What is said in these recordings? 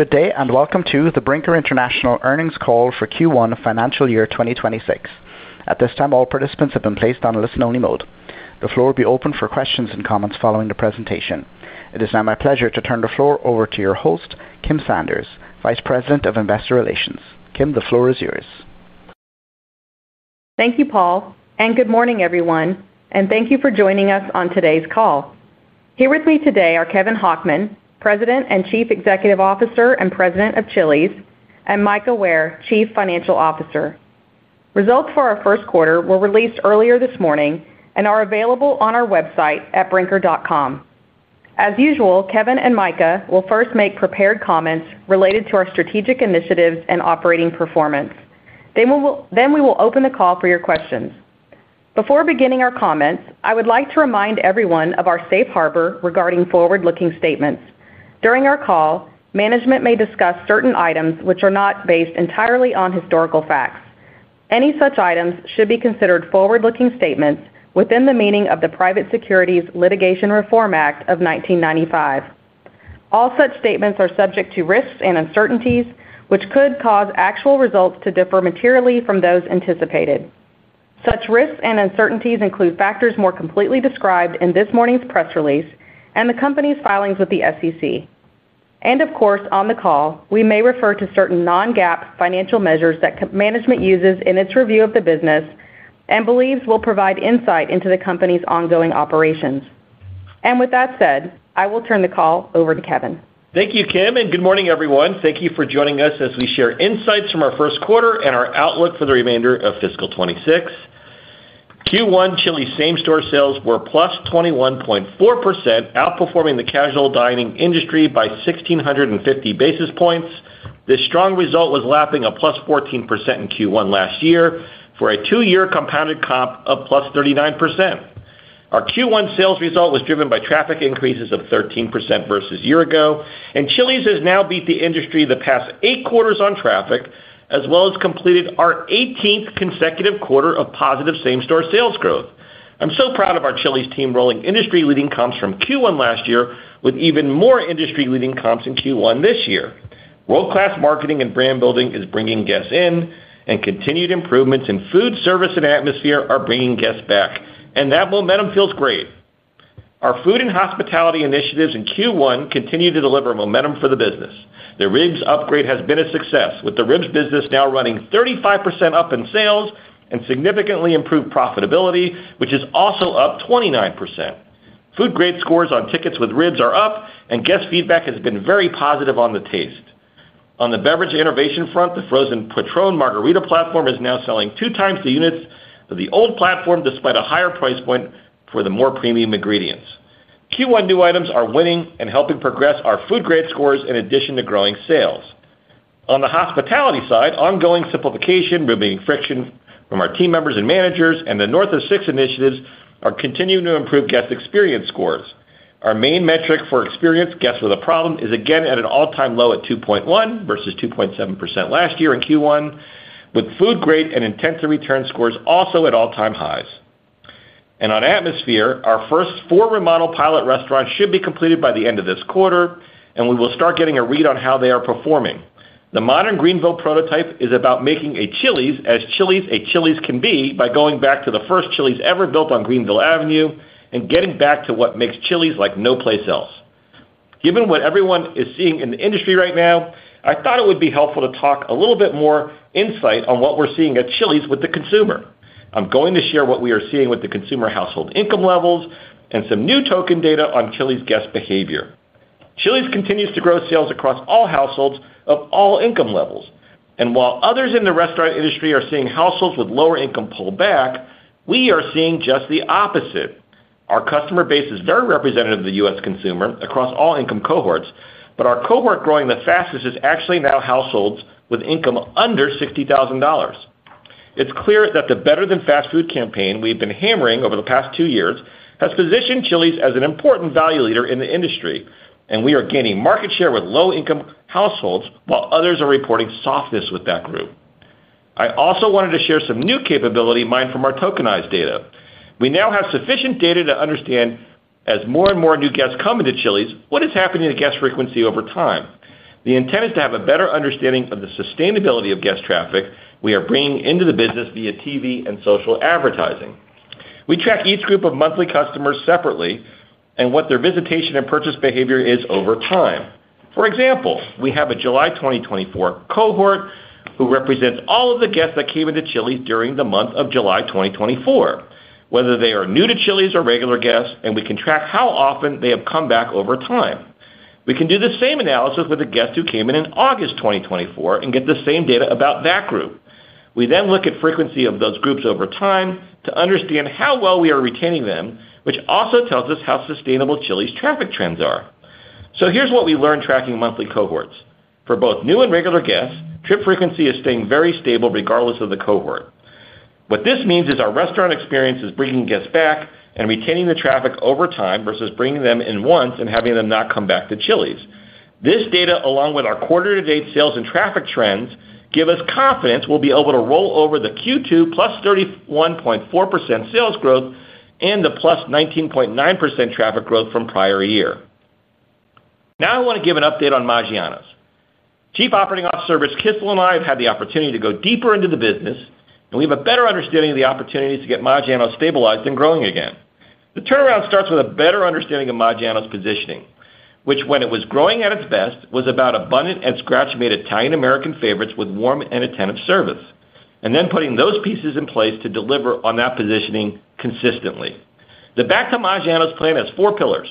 Good day and welcome to the Brinker International earnings call for Q1 financial year 2026. At this time, all participants have been placed on listen only mode. The floor will be open for questions and comments following the presentation. It is now my pleasure to turn the floor over to your host, Kim Sanders, Vice President of Investor Relations. Kim, the floor is yours. Thank you, Paul, and good morning, everyone, and thank you for joining us on today's call. Here with me today are Kevin Hochman, President and Chief Executive Officer and President of Chili's, and Mika Ware, Chief Financial Officer. Results for our first quarter were released earlier this morning and are available on our website at brinker.com. As usual, Kevin and Mika will first make prepared comments related to our strategic initiatives and operating performance. We will open the call for your questions. Before beginning our comments, I would like to remind everyone of our safe harbor regarding forward-looking statements. During our call, management may discuss certain items which are not based entirely on historical facts. Any such items should be considered forward-looking statements within the meaning of the Private Securities Litigation Reform Act of 1995. All such statements are subject to risks and uncertainties which could cause actual results to differ materially from those anticipated. Such risks and uncertainties include factors more completely described in this morning's press release and the company's filings with the SEC. On the call, we may refer to certain non-GAAP financial measures that management uses in its review of the business and believes will provide insight into the company's ongoing operations. With that said, I will turn the call over to Kevin. Thank you, Kim, and good morning, everyone. Thank you for joining us as we share insights from our first quarter and our outlook for the remainder of fiscal 2026. Q1 Chili's same-store sales were up 21.4%, outperforming the casual dining industry by 1,650 basis points. This strong result was lapping a 14% increase in Q1 last year for a two-year compounded comp of 39%. Our Q1 sales result was driven by traffic increases of 13% versus a year ago, and Chili's has now beat the industry the past eight quarters on traffic as well as completed our 18th consecutive quarter of positive same-store sales growth. I'm so proud of our Chili's team rolling industry-leading comps from Q1 last year with even more industry-leading comps in Q1 this year. World-class marketing and brand building is bringing guests in, and continued improvements in food, service, and atmosphere are bringing guests back, and that momentum feels great. Our food and hospitality initiatives in Q1 continue to deliver momentum for the business. The ribs upgrade has been a success, with the ribs business now running 35% up in sales and significantly improved profitability, which is also up 29%. Food grade scores on tickets with ribs are up, and guest feedback has been very positive on the taste. On the beverage innovation front, the Frozen Patrón Margarita platform is now selling two times the units of the old platform despite a higher price point for the more premium ingredients. Q1 new items are winning and helping progress our food grade scores in addition to growing sales. On the hospitality side, ongoing simplification, removing friction from our team members and managers, and the North of Six initiatives are continuing to improve guest experience scores. Our main metric for experienced guests with a problem is again at an all-time low at 2.1% versus 2.7% last year in Q1, with food grade and intent to return scores also at all-time highs and on atmosphere. Our first four remodel pilot restaurants should be completed by the end of this quarter, and we will start getting a read on how they are performing. The modern Greenville prototype is about making a Chili's as Chili's as a Chili's can be by going back to the first Chili's ever built on Greenville Avenue and getting back to what makes Chili's like no place else. Given what everyone is seeing in the industry right now, I thought it would be helpful to talk a little bit more insight on what we're seeing at Chili's with the consumer. I'm going to share what we are seeing with the consumer, household income levels, and some new tokenized data on Chili's guest behavior. Chili's continues to grow sales across all households of all income levels, and while others in the restaurant industry are seeing households with lower income pull back, we are seeing just the opposite. Our customer base is very representative of the U.S. consumer across all income cohorts, but our cohort growing the fastest is actually now households with income under $60,000. It's clear that the Better Than Fast Food campaign we've been hammering over the past two years has positioned Chili's as an important value leader in the industry, and we are gaining market share with low income households while others are reporting softness with that group. I also wanted to share some new capability mined from our tokenized consumer data. We now have sufficient data to understand, as more and more new guests come into Chili's, what is happening to guest frequency over time. The intent is to have a better understanding of the sustainability of guest traffic we are bringing into the business via TV and social advertising. We track each group of monthly customers separately and what their visitation and purchase behavior is over time. For example, we have a July 2024 cohort who represents all of the guests that came into Chili's during the month of July 2024, whether they are new to Chili's or regular guests, and we can track how often they have come back over time. We can do the same analysis with the guests who came in in August 2024 and get the same data about that group. We then look at frequency of those groups over time to understand how well we are retaining them, which also tells us how sustainable Chili's traffic trends are. Here's what we learned tracking monthly cohorts for both new and regular guests. Trip frequency is staying very stable regardless of the cohort. What this means is our restaurant experience is bringing guests back and retaining the traffic over time versus bringing them in once and having them not come back to Chili's. This data, along with our quarter-to-date sales and traffic trends, give us confidence we'll be able to roll over the Q2 +31.4% sales growth and the +19.9% traffic growth from prior year. I want to give an update on Maggiano's. Chief Operating OfficeR service Kissel and I have had the opportunity to go deeper into the business and we have a better understanding of the opportunities to get Maggiano's stabilized and growing again. The turnaround starts with a better understanding of Maggiano's positioning, which when it was growing at its best was about abundant and scratch-made Italian-American favorites with warm and attentive service, and then putting those pieces in place to deliver on that positioning consistently. The Back to Maggiano's plan has four pillars.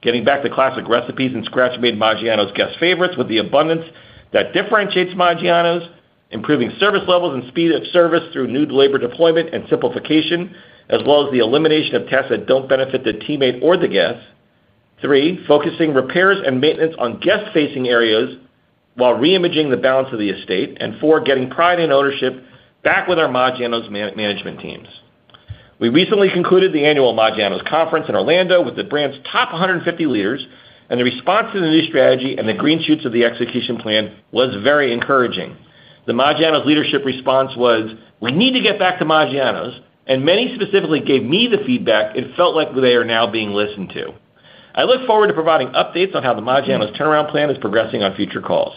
Getting back to classic recipes and scratch-made Maggiano's guest favorites with the abundance that differentiates Maggiano's, improving service levels and speed of service through new labor deployment and simplification, as well as the elimination of tests that don't benefit the teammate or the guests. Three, focusing repairs and maintenance on guest-facing areas while reimaging the balance of the estate, and four, getting pride in ownership back with our Maggiano's management teams. We recently concluded the annual Maggiano's conference in Orlando with the brand's top 150 leaders, and the response to the new strategy and the green shoots of the execution plan was very encouraging. The Maggiano's leadership response was we need to get back to Maggiano's, and many specifically gave me the feedback it felt like they are now being listened to. I look forward to providing updates on how the Maggiano's turnaround plan is progressing on future calls.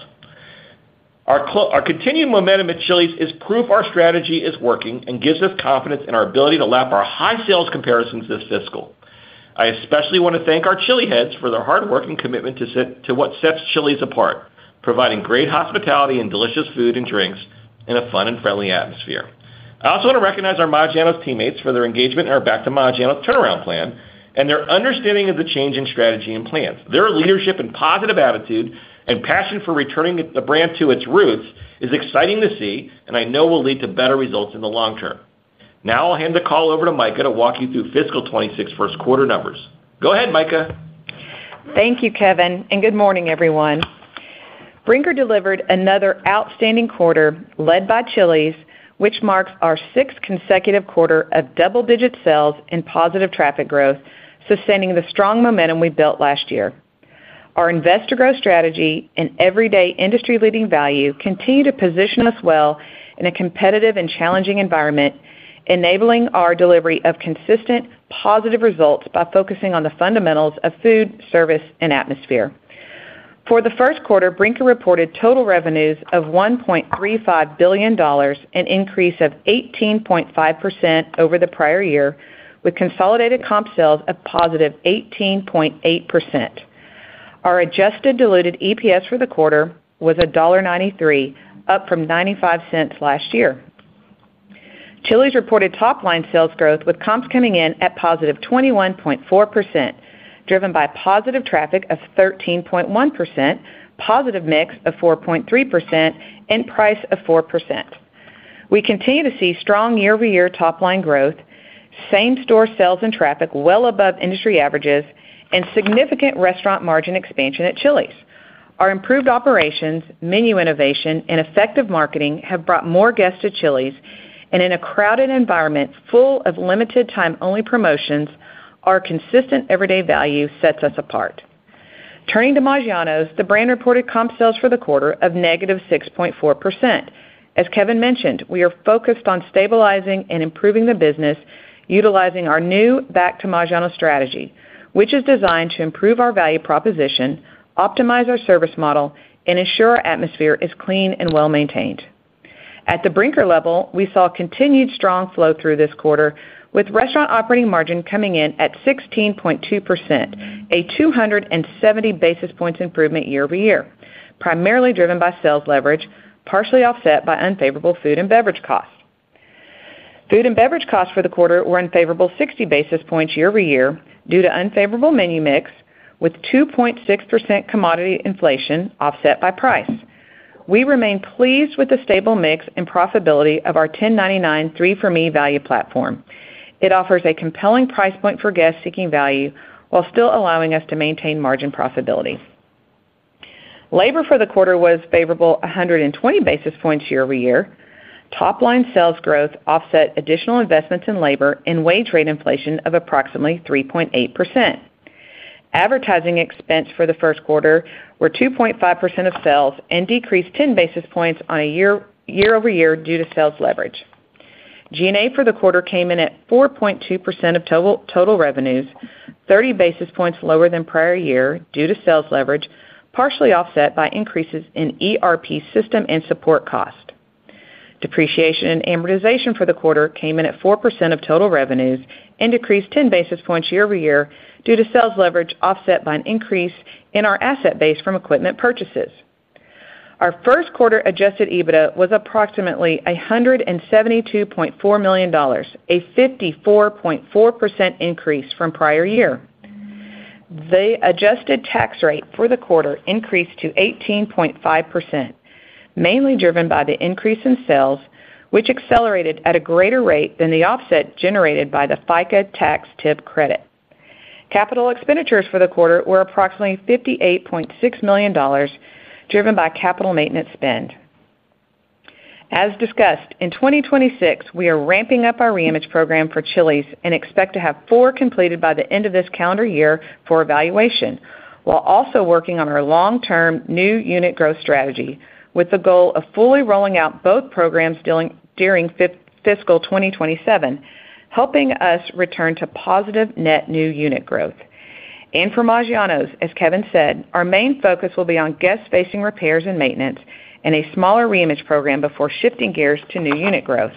Our continued momentum at Chili's is proof our strategy is working and gives us confidence in our ability to lap our high sales comparisons this fiscal. I especially want to thank our Chiliheads for their hard work and commitment to what sets Chili's apart, providing great hospitality and delicious food and drinks in a fun and friendly atmosphere. I also want to recognize our Maggiano's teammates for their engagement in our Back to Maggiano's turnaround plan and their understanding of the change in strategy and plans. Their leadership and positive attitude and passion for returning the brand to its roots is exciting to see and I know will lead to better results in the long term. Now I'll hand the call over to Mika to walk you through fiscal 2026 first quarter numbers. Go ahead, Mika. Thank you, Kevin, and good morning, everyone. Brinker delivered another outstanding quarter led by Chili's, which marks our sixth consecutive quarter of double-digit sales and positive traffic growth. Since sustaining the strong momentum we built last year, our investor growth strategy and everyday industry-leading value continue to position us well in a competitive and challenging environment, enabling our delivery of consistent positive results by focusing on the fundamentals of food, service, and atmosphere. For the first quarter, Brinker reported total revenues of $1.35 billion, an increase of 18.5% over the prior year, with consolidated comp sales a positive 18.8%. Our adjusted diluted EPS for the quarter was $1.93, up from $0.95 last year. Chili's reported top-line sales growth with comps coming in at +21.4%, driven by positive traffic of 13.1%, positive mix of 4.3%, and price of 4%. We continue to see strong year-over-year top-line growth, same-store sales and traffic well above industry averages, and significant restaurant margin expansion at Chili's. Our improved operations, menu innovation, and effective marketing have brought more guests to Chili's, and in a crowded environment full of limited-time-only promotions, our consistent everyday value sets us apart. Turning to Maggiano's, the brand reported comp sales for the quarter of -6.4%. As Kevin mentioned, we are focused on stabilizing and improving the business utilizing our new Back to Maggiano’s strategy, which is designed to improve our value proposition, optimize our service model, and ensure our atmosphere is clean and well maintained. At the Brinker level, we saw continued strong flow-through this quarter with restaurant operating margin coming in at 16.2%, a 270 basis points improvement year-over-year, primarily driven by sales leverage, partially offset by unfavorable food and beverage costs. Food and beverage costs for the quarter were unfavorable 60 basis points year-over-year due to unfavorable menu mix, with 2.6% commodity inflation offset by price. We remain pleased with the stable mix and profitability of our $10.99 3 for Me value platform. It offers a compelling price point for guests seeking value while still allowing us to maintain margin profitability. Labor for the quarter was favorable 120 basis points year-over-year. Top-line sales growth offset additional investments in labor and wage rate inflation of approximately 3.8%. Advertising expense for the first quarter were 2.5% of sales and decreased 10 basis points year-over-year due to sales leverage. G&A for the quarter came in at 4.2% of total revenues, 30 basis points lower than prior year due to sales leverage partially offset by increases in ERP system and support. Cost depreciation and amortization for the quarter came in at 4% of total revenues and decreased 10 basis points year over year due to sales leverage offset by an increase in our asset base from equipment purchases. Our first quarter adjusted EBITDA was approximately $172.4 million, a 54.4% increase from prior year. The adjusted tax rate for the quarter increased to 18.5% mainly driven by the increase in sales which accelerated at a greater rate than the offset generated by the FICA tax tip. Capital expenditures for the quarter were approximately $58.6 million driven by capital maintenance spend. As discussed in 2026, we are ramping up our reimage program for Chili's and expect to have four completed by the end of this calendar year for EV while also working on our long term new unit growth strategy with the goal of fully rolling out both programs during fiscal 2027, helping us return to positive net new unit growth and for Maggiano's. As Kevin said, our main focus will be on guest facing repairs and maintenance and a smaller reimage program before shifting gears to new unit growth.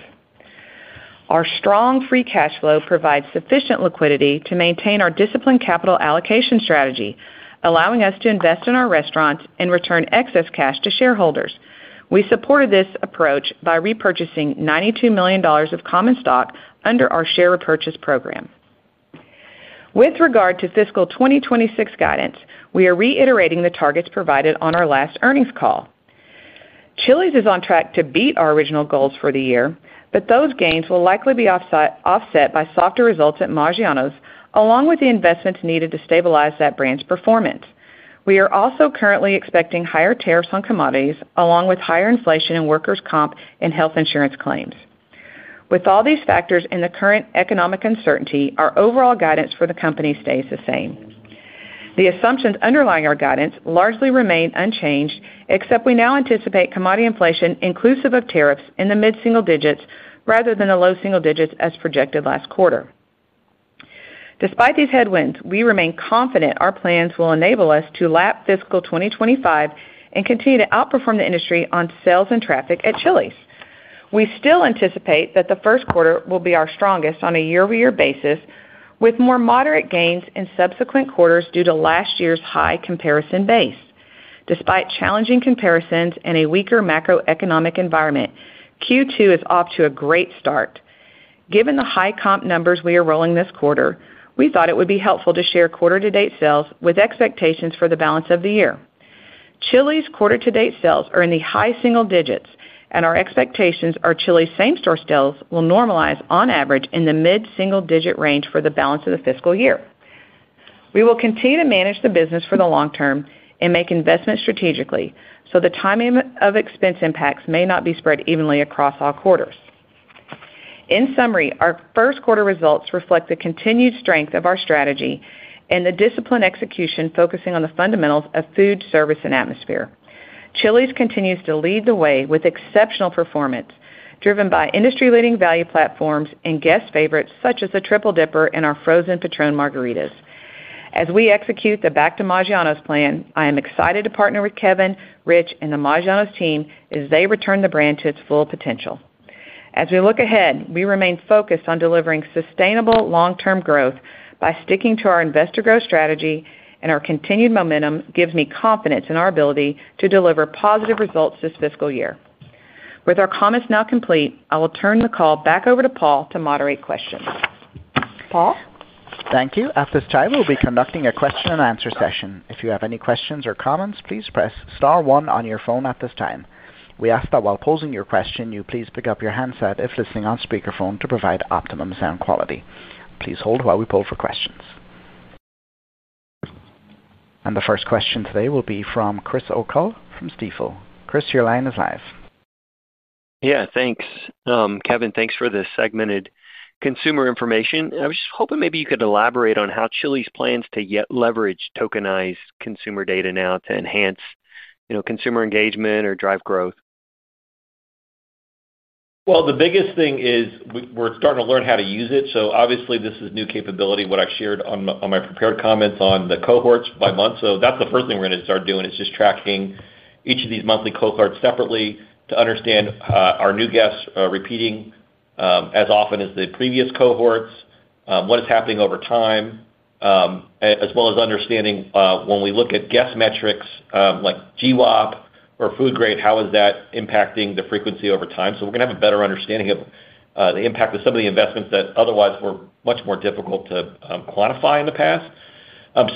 Our strong free cash flow provides sufficient liquidity to maintain our disciplined capital allocation strategy, allowing us to invest in our restaurants and return excess cash to shareholders. We supported this approach by repurchasing $92 million of common stock under our share repurchase program. With regard to fiscal 2026 guidance, we are reiterating the targets provided on our last earnings call. Chili's is on track to beat our original goals for the year, but those gains will likely be offset by softer results at Maggiano's along with the investments needed to stabilize that brand's performance. We are also currently expecting higher tariffs on commodities along with higher inflation in workers comp and health insurance claims. With all these factors and the current economic uncertainty, our overall guidance for the company stays the same. The assumptions underlying our guidance largely remain unchanged, except we now anticipate commodity inflation inclusive of tariffs in the mid single digits rather than the low single digits as projected last quarter. Despite these headwinds, we remain confident our plans will enable us to lap fiscal 2025 and continue to outperform the industry on sales and traffic. At Chili's, we still anticipate that the first quarter will be our strongest on a year-over-year basis with more moderate gains in subsequent quarters due to last year's high comparison base. Despite challenging comparisons and a weaker macroeconomic environment, Q2 is off to a great start. Given the high comp numbers we are rolling this quarter, we thought it would be helpful to share quarter to date sales with expectations for the balance of the year. Chili's quarter to date sales are in the high single digits and our expectations are Chili's same-store sales will normalize on average in the mid single digit range for the balance of the fiscal year. We will continue to manage the business for the long term and make investments strategically, so the timing of expense impacts may not be spread evenly across all quarters. In summary, our first quarter results reflect the continued strength of our strategy and the disciplined execution focusing on the fundamentals of food, service, and atmosphere. Chili's continues to lead the way with exceptional performance driven by industry leading value platforms and guest favorites such as the Triple Dipper and our Frozen Patrón Margaritas. As we execute the Back to Maggiano's plan, I am excited to partner with Kevin Hochman, Rich, and the Maggiano's team as they return the brand to its full potential. As we look ahead, we remain focused on delivering sustainable long term growth by sticking to our investor growth strategy and our continued momentum gives me confidence in our ability to deliver positive results this fiscal year. With our comments now complete, I will turn the call back over to Paul to moderate questions. Paul. Thank you. At this time we'll be conducting a question-and-answer session. If you have any questions or comments, please press star, one on your phone. At this time we ask that while posing your question, you please pick up your handset if listening on speakerphone to provide optimum sound quality. Please hold while we poll for questions, and the first question today will be from Chris O'Cull from Stifel. Chris, your line is live. Yeah, thanks Kevin. Thanks for the segmented consumer information. I was just hoping maybe you could elaborate on how Chili's plans to leverage tokenized consumer data now to enhance consumer engagement or drive growth. The biggest thing is we're starting to learn how to use it. Obviously, this is new capability. What I shared on my prepared comments on the cohorts by month, that's the first thing we're going to start doing, just tracking each of these monthly cohorts separately to understand our new guests repeating as often as the previous cohorts, what is happening over time, as well as understanding when we look at guest metrics like GWOP or food grade, how is that impacting the frequency over time. We're going to have a better understanding of the impact of some of the investments that otherwise were much more difficult to quantify in the past.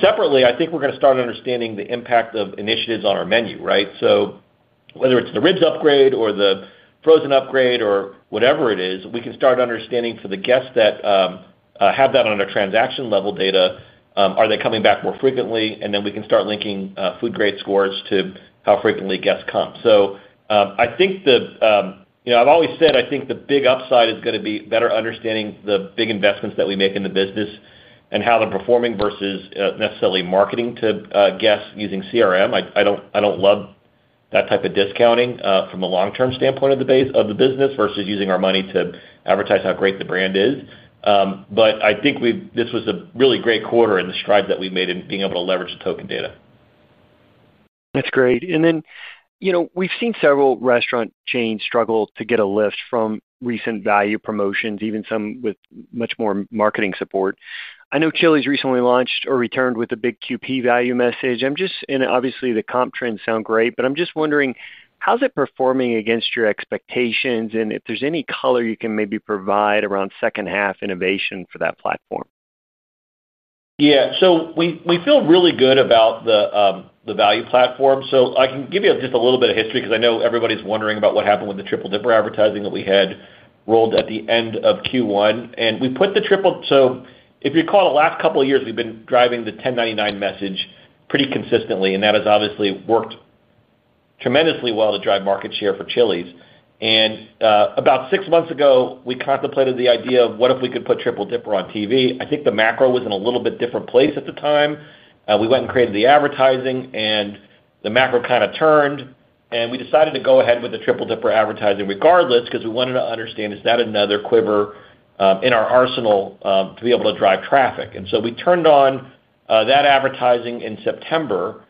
Separately, I think we're going to start understanding the impact of initiatives on our menu. Right, so whether it's the ribs upgrade or the frozen upgrade or whatever it is, we can start understanding for the guests that have that on our transaction level data, are they coming back more frequently and then we can start linking food grade scores to how frequently guests come. I think the, you know, I've always said I think the big upside is going to be better understanding the big investments that we make in the business and how they're performing versus necessarily marketing to guests using CRM. I don't love that type of discounting from a long term standpoint of the business versus using our money to advertise how great the brand is. I think this was a really great quarter and the strides that we made in being able to leverage the token data. That's great. We've seen several restaurant chains struggle to get a lift from recent value promotions, even some with much more marketing support. I know Chili's recently launched or returned with a big QP value message. Obviously the comp trends sound great, but I'm just wondering how is it performing against your expectations and if there's any color you can maybe provide around second half and innovation for that platform? Yeah. We feel really good about the value platform. I can give you just a little bit of history because I know everybody's wondering about what happened with the Triple Dipper advertising that we had rolled at the end of Q1 and we put the Triple. If you recall, the last couple of years, we've been driving the $10.99 message pretty consistently and that has obviously worked tremendously well to drive market share for Chili's. About six months ago, we contemplated the idea of what if we could put Triple Dipper on TV. I think the macro was in a little bit different place at the time. We went and created the advertising and the macro kind of turned and we decided to go ahead with the Triple Dipper advertising regardless because we wanted to understand is that another quiver in our arsenal to be able to drive traffic. We turned on that advertising in September.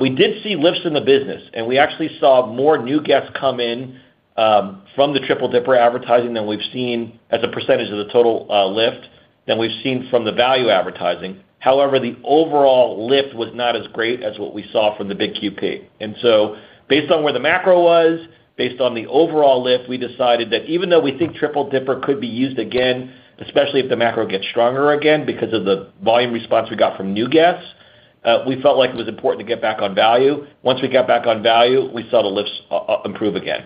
We did see lifts in the business and we actually saw more new guests come in from the Triple Dipper advertising than we've seen as a percentage of the total lift than we've seen from the value advertising. However, the overall lift was not as great as what we saw from the big value platform. Based on where the macro was and based on the overall lift, we decided that even though we think Triple Dipper could be used again, especially if the macro gets stronger again because of the volume response we got from new guests, we felt like it was important to get back on value. Once we got back on value, we saw the lifts improve again.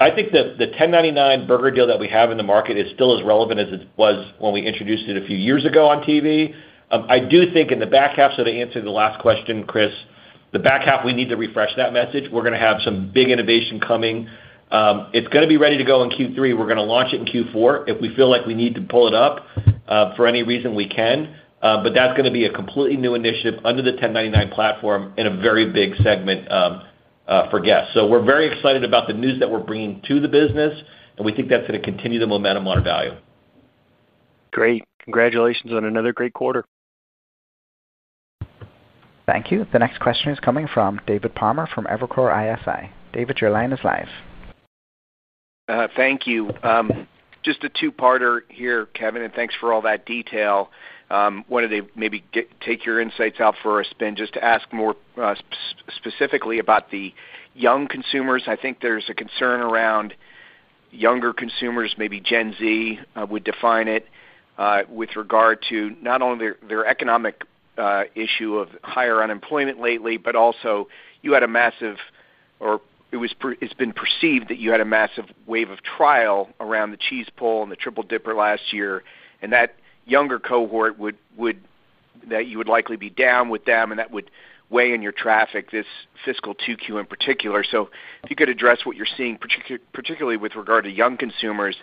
I think that the $10.99 burger deal that we have in the market is still as relevant as it was when we introduced it a few years ago on TV. I do think in the back half, to answer the last question, Chris, the back half, we need to refresh that message. We're going to have some big innovation coming. It's going to be ready to go in Q3, we're going to launch it in Q4. If we feel like we need to pull it up for any reason, we can. That's going to be a completely new initiative under the $10.99 platform and a very big segment for guests. We're very excited about the news that we're bringing to the business and we think that's going to continue the momentum on our value. Great. Congratulations on another great quarter. Thank you. The next question is coming from David Palmer from Evercore ISI. David, your line is live. Thank you. Just a two-parter here, Kevin, and thanks for all that detail. Wanted to maybe take your insight out for a spin just to ask more specifically about the young consumers. I think there's a concern around younger consumers, maybe GenZ would define it with regard to not only their economic issue of higher unemployment lately, but also you had a massive, or it's been perceived that you had a massive wave of trial around the cheese pull and the Triple Dipper last year and that younger cohort, that you would likely be down with them and that would weigh in your traffic this fiscal 2Q in particular. If you could address what you're seeing, particularly with regard to young consumers.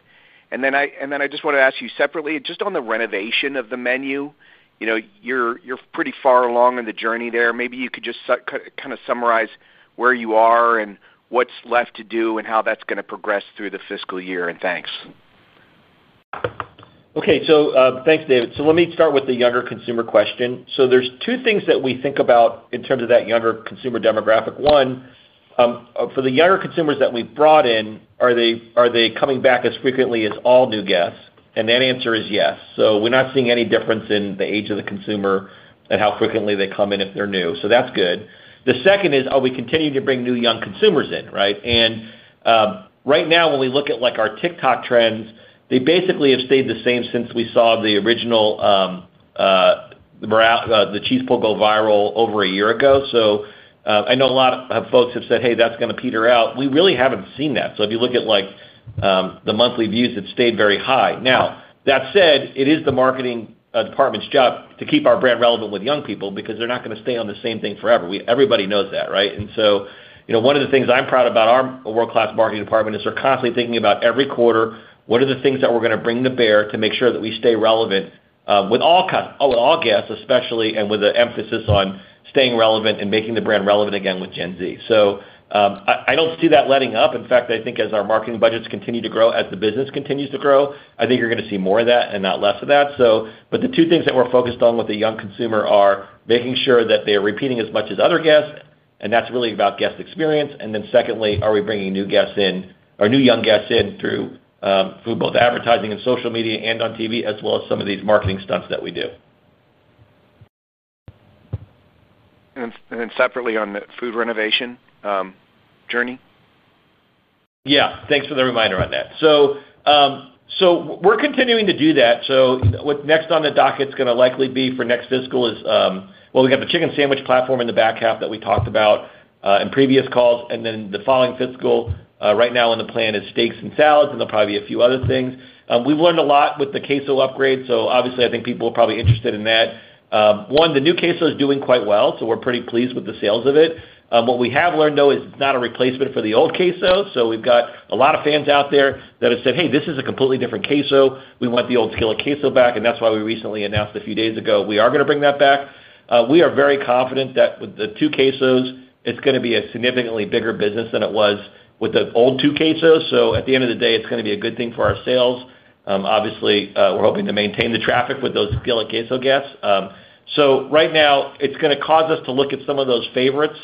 I just wanted to ask you separately, just on the renovation of the menu, you're pretty far along in the journey there. Maybe you could just kind of summarize where you are and what's left to do and how that's going to progress through the fiscal year. Thanks. Okay, so thanks, David. Let me start with the younger consumer question. There are two things that we think about in terms of that younger consumer demographic. One, for the younger consumers that we brought in, are they coming back as frequently as all new guests? That answer is yes. We're not seeing any difference in the age of the consumer and how frequently they come in if they're new. That's good. The second is are we continuing to bring new young consumers in. Right now when we look at our TikTok trends, they basically have stayed the same since we saw the original cheese pull go viral over a year ago. I know a lot of folks have said, hey, that's going to peter out. We really haven't seen that. If you look at the monthly views, it stayed very high. That said, it is the marketing department's job to keep our brand relevant with young people because they're not going to stay on the same thing forever. Everybody knows that. One of the things I'm proud about our world-class marketing department is they're constantly thinking about every quarter, what are the things that we're going to bring to bear to make sure that we stay relevant with all guests, especially with the emphasis on staying relevant and making the brand relevant again with Gen Z. I don't see that letting up. In fact, I think as our marketing budgets continue to grow, as the business continues to grow, I think you're going to see more of that and not less of that. The two things that we're focused on with the young consumer are making sure that they are repeating as much as other guests. That's really about guest experience. Secondly, are we bringing new guests in or new young guests in through both advertising and social media and on TV as well as some of these marketing stunts that we do. And then separately on the food renovation journey? Yeah, thanks for the reminder on that. We're continuing to do that. What's next on the docket is going to likely be for next fiscal is, we've got the chicken sandwich platform in the back half that we talked about in previous calls, and the following fiscal right now in the plan is steaks and salads, and there will probably be a few other things. We've learned a lot with the queso upgrade, so obviously, I think people are probably interested in that one. The new queso is doing quite well, so we're pretty pleased with the sales of it. What we have learned, though, is it's not a replacement for the old queso. We've got a lot of fans out there that have said, hey, this is a completely different queso. We want the old skillet queso back. That's why we recently announced a few days ago, we are going to bring that back. We are very confident that with the two quesos, it's going to be a significantly bigger business than it was with the old two quesos. At the end of the day, it's going to be a good thing for our sales. Obviously, we're hoping to maintain the traffic with those skillet queso guests. Right now it's going to cause us to look at some of those favorites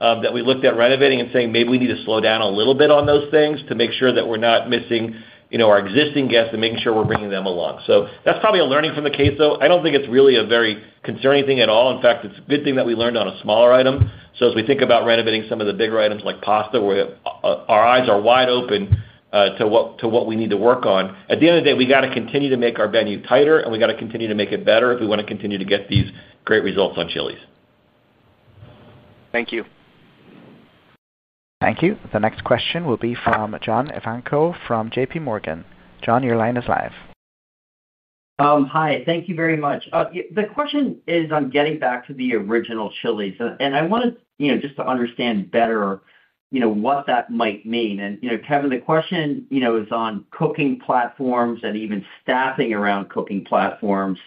that we looked at renovating and saying maybe we need to slow down a little bit on those things to make sure that we're not missing our existing guests and making sure we're bringing them along. That's probably a learning from the queso, though I don't think it's really a very concerning thing at all. In fact, it's a good thing that we learned on a smaller item. As we think about renovating some of the bigger items like pasta, our eyes are wide open to what we need to work on. At the end of the day, we got to continue to make our menu tighter, and we got to continue to make it better if we want to continue to get these great results on Chili's. Thank you. Thank you. The next question will be from John Ivanko from JP Morgan. John, your line is live. Hi, thank you very much. The question is on getting back to the original Chili's, and I wanted just to understand better what that might mean. Kevin, the question is on cooking platforms and even staffing around cooking platforms.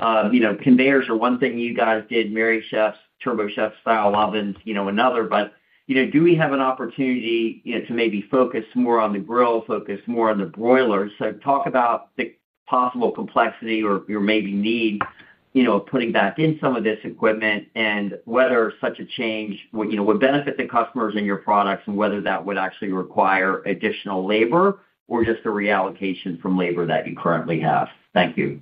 Conveyors are one thing. You guys did Merrychef's TurboChef style ovens, another. Do we have an opportunity to maybe focus more on the grill, focus more on the broiler? Talk about the possible complexity or maybe need putting back in some of this equipment and whether such a change would benefit the customers and your products, and whether that would actually require additional labor or just a reallocation from labor that you currently have. Thank you.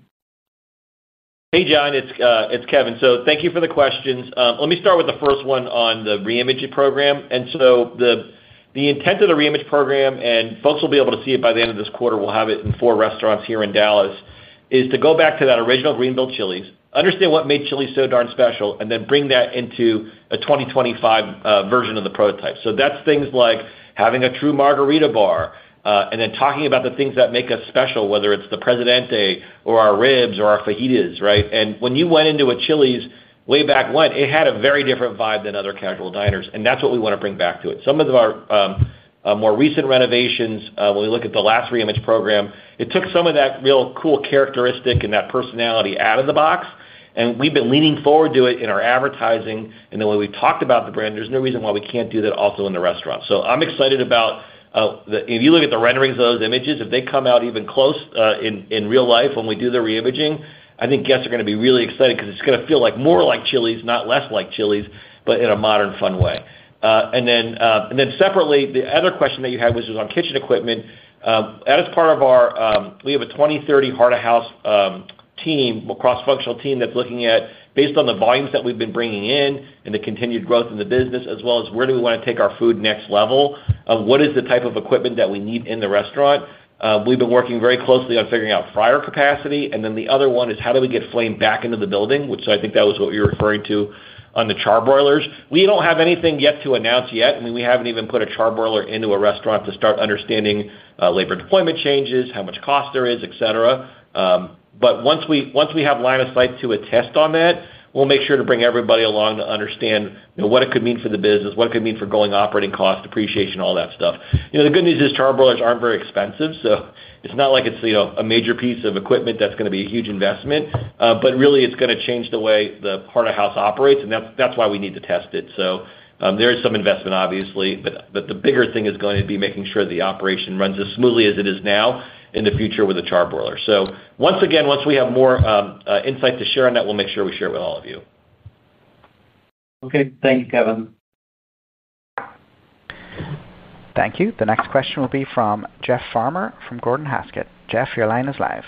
Hey, John, it's Kevin. Thank you for the questions. Let me start with the first one on the reimaging program. The intent of the reimage program, and folks will be able to see it by the end of this quarter, we'll have it in four restaurants here in Dallas, is to go back to that original Greenville Chili's, understand what made Chili's so darn special, and then bring that into a 2025 version of the prototype. That's things like having a true margarita bar and then talking about the things that make us special, whether it's the Presidente or our ribs or our fajitas. When you went into a Chili's way back when, it had a very different vibe than other casual diners, and that's what we want to bring back to it. Some of our more recent renovations, when we look at the last reimage program, took some of that real cool characteristic and that personality out of the box. We've been leaning forward to it in our advertising and the way we talked about the brand. There's no reason why we can't do that also in the restaurant. I'm excited about it. If you look at the renderings of those images, if they come out even close in real life when we do the reimaging, I think guests are going to be really excited because it's going to feel more like Chili's, not less like Chili's, but in a modern, fun way. Separately, the other question that you had, which was on kitchen equipment. As part of our, we have a 2030 heart of house team, cross functional team that's looking at, based on the volumes that we've been bringing in and the continued growth in the business, as well as where do we want to take our food next level. What is the type of equipment that we need in the restaurant? We've been working very closely on figuring out fryer capacity. The other one is how do we get flame back into the building, which I think that was what you were referring to on the charbroilers. We don't have anything to announce yet. We haven't even put a charbroiler into a restaurant to start understanding labor deployment, changes, how much cost there is, et cetera. Once we have line of sight to a test on that, we'll make sure to bring everybody along to understand what it could mean for the business, what it could mean for ongoing operating cost, depreciation, all that stuff. The good news is charbroilers aren't very expensive, so it's not like it's a major piece of equipment that's going to be a huge investment, but really it's going to change the way the heart of house operates. That's why we need to test it. There is some investment, obviously, but the bigger thing is going to be making sure the operation runs as smoothly as it is now in the future with the charbroiler. Once again, once we have more insight to share on that, we'll make sure we share it with all of you. Okay, thank you, Kevin. Thank you. The next question will be from Jeff Farmer from Gordon Haskett. Jeff, your line is live.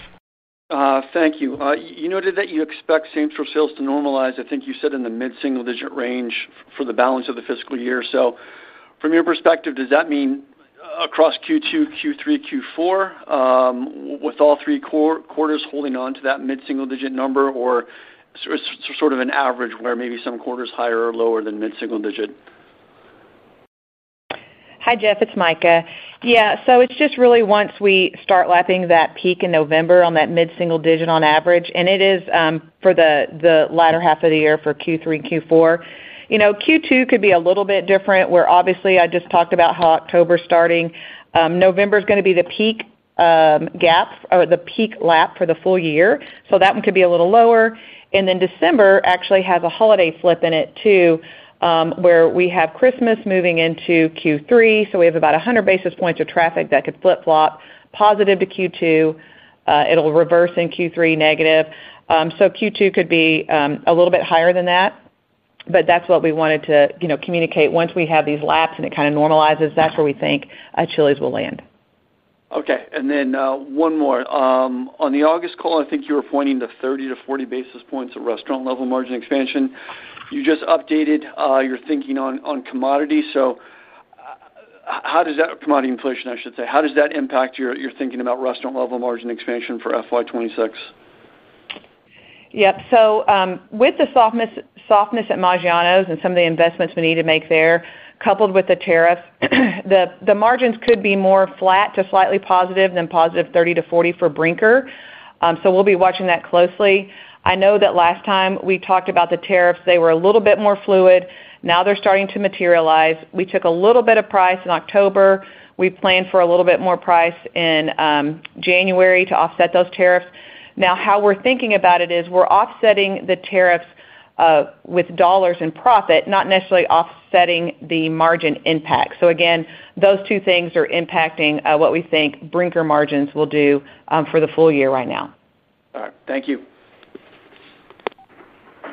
Thank you. You noted that you expect same-store sales to normalize, I think you said, in the mid single digit range for the balance of the fiscal year. From your perspective, does that mean across Q2, Q3, Q4, with all three quarters holding onto that mid single digit number or sort of an average where maybe some quarters higher or lower than mid single digit? Hi, Jeff, it's Mika. Yeah, so it's just really once we start lapping that peak in November on that mid single digit on average, and it is for the latter half of the year for Q3 and Q4. Q2 could be a little bit different where obviously I just talked about how October starting November is going to be the peak gap or the peak lap for the full year. That one could be a little lower. December actually has a holiday flip in it too, where we have Christmas moving into Q3. We have about 100 basis points of traffic that could flip flop positive to Q2, it will reverse in Q3 negative. Q2 could be a little bit higher than that. That's what we wanted to communicate once we have these laps and it kind of normalizes, that's where we think Chili's will land. Okay, and then one more. On the August call, I think you were pointing to 30-40 basis points of restaurant operating margin expansion. You just updated your thinking on commodity inflation. How does that commodity inflation impact your thinking about restaurant operating margin expansion for FY 2026? With the softness at Maggiano's and some of the investments we need to make there, coupled with the tariffs, the margins could be more flat to slightly positive than positive. 30-40 for Brinker. We'll be watching that closely. I know that last time we talked about the tariffs they were a little bit more fluid. Now they're starting to materialize. We took a little bit of price in October. We planned for a little bit more price in January to offset those tariffs. Now how we're thinking about it is we're offsetting the tariffs with dollars in profit, not necessarily offsetting the margin impact. Those two things are impacting what we think Brinker margins will do for the full year right now. Thank you.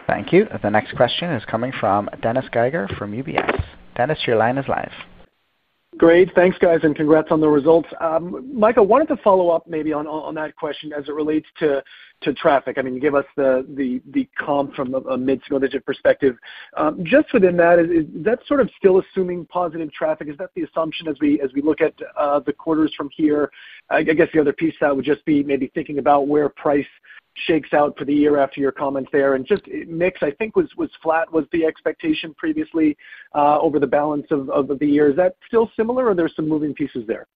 Thank you. The next question is coming from Dennis Geiger from UBS. Dennis, your line is live. Great, thanks guys and congrats on the results. Mika, I wanted to follow up maybe on that question as it relates to traffic. I mean give us the comp from a mid single digit perspective just within that, that sort of still assuming positive traffic. Is that the assumption as we look at the quarters from here? I guess the other piece would just be maybe thinking about where price shakes out for the year after your comments there. Just mix I think was flat was the expectation previously over the balance of the year. Is that still similar or there's some moving pieces there.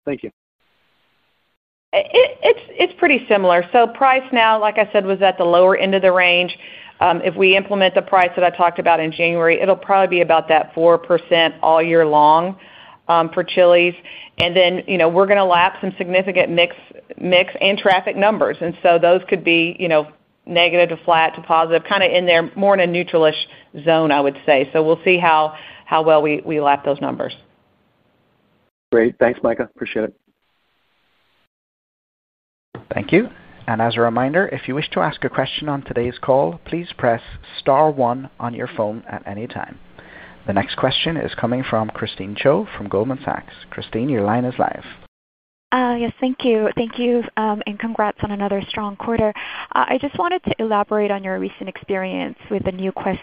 It's pretty similar. Price now, like I said, was at the lower end of the range. If we implement the price that I talked about in January, it'll probably be about that 4% all year long for Chili's. We're going to lap some significant mix and traffic numbers, and those could be negative to flat to positive, kind of in there, more in a neutralish zone, I would say. We'll see how well we lap those numbers. Great. Thanks, Mika. Appreciate it. Thank you. As a reminder, if you wish to ask a question on today's call, please press star 1 on your phone at any time. The next question is coming from Christine Cho from Goldman Sachs. Christine, your line is live. Yes, thank you. Thank you, and congrats on another strong quarter. I just wanted to elaborate on your recent experience with the new quest.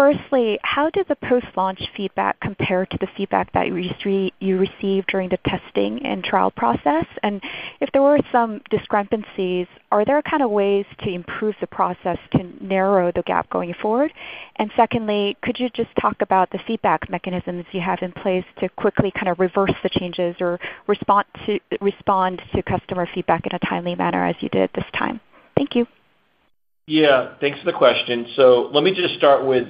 Firstly, how did the post-launch feedback compare to the feedback that you received during the testing and trial process? If there were some discrepancies, are there ways to improve the process to narrow the gap going forward? Could you just talk about the feedback mechanisms you have in place to quickly reverse the changes or respond to customer feedback in a timely manner as you did at this time? Thank you. Yeah, thanks for the question. Let me just start with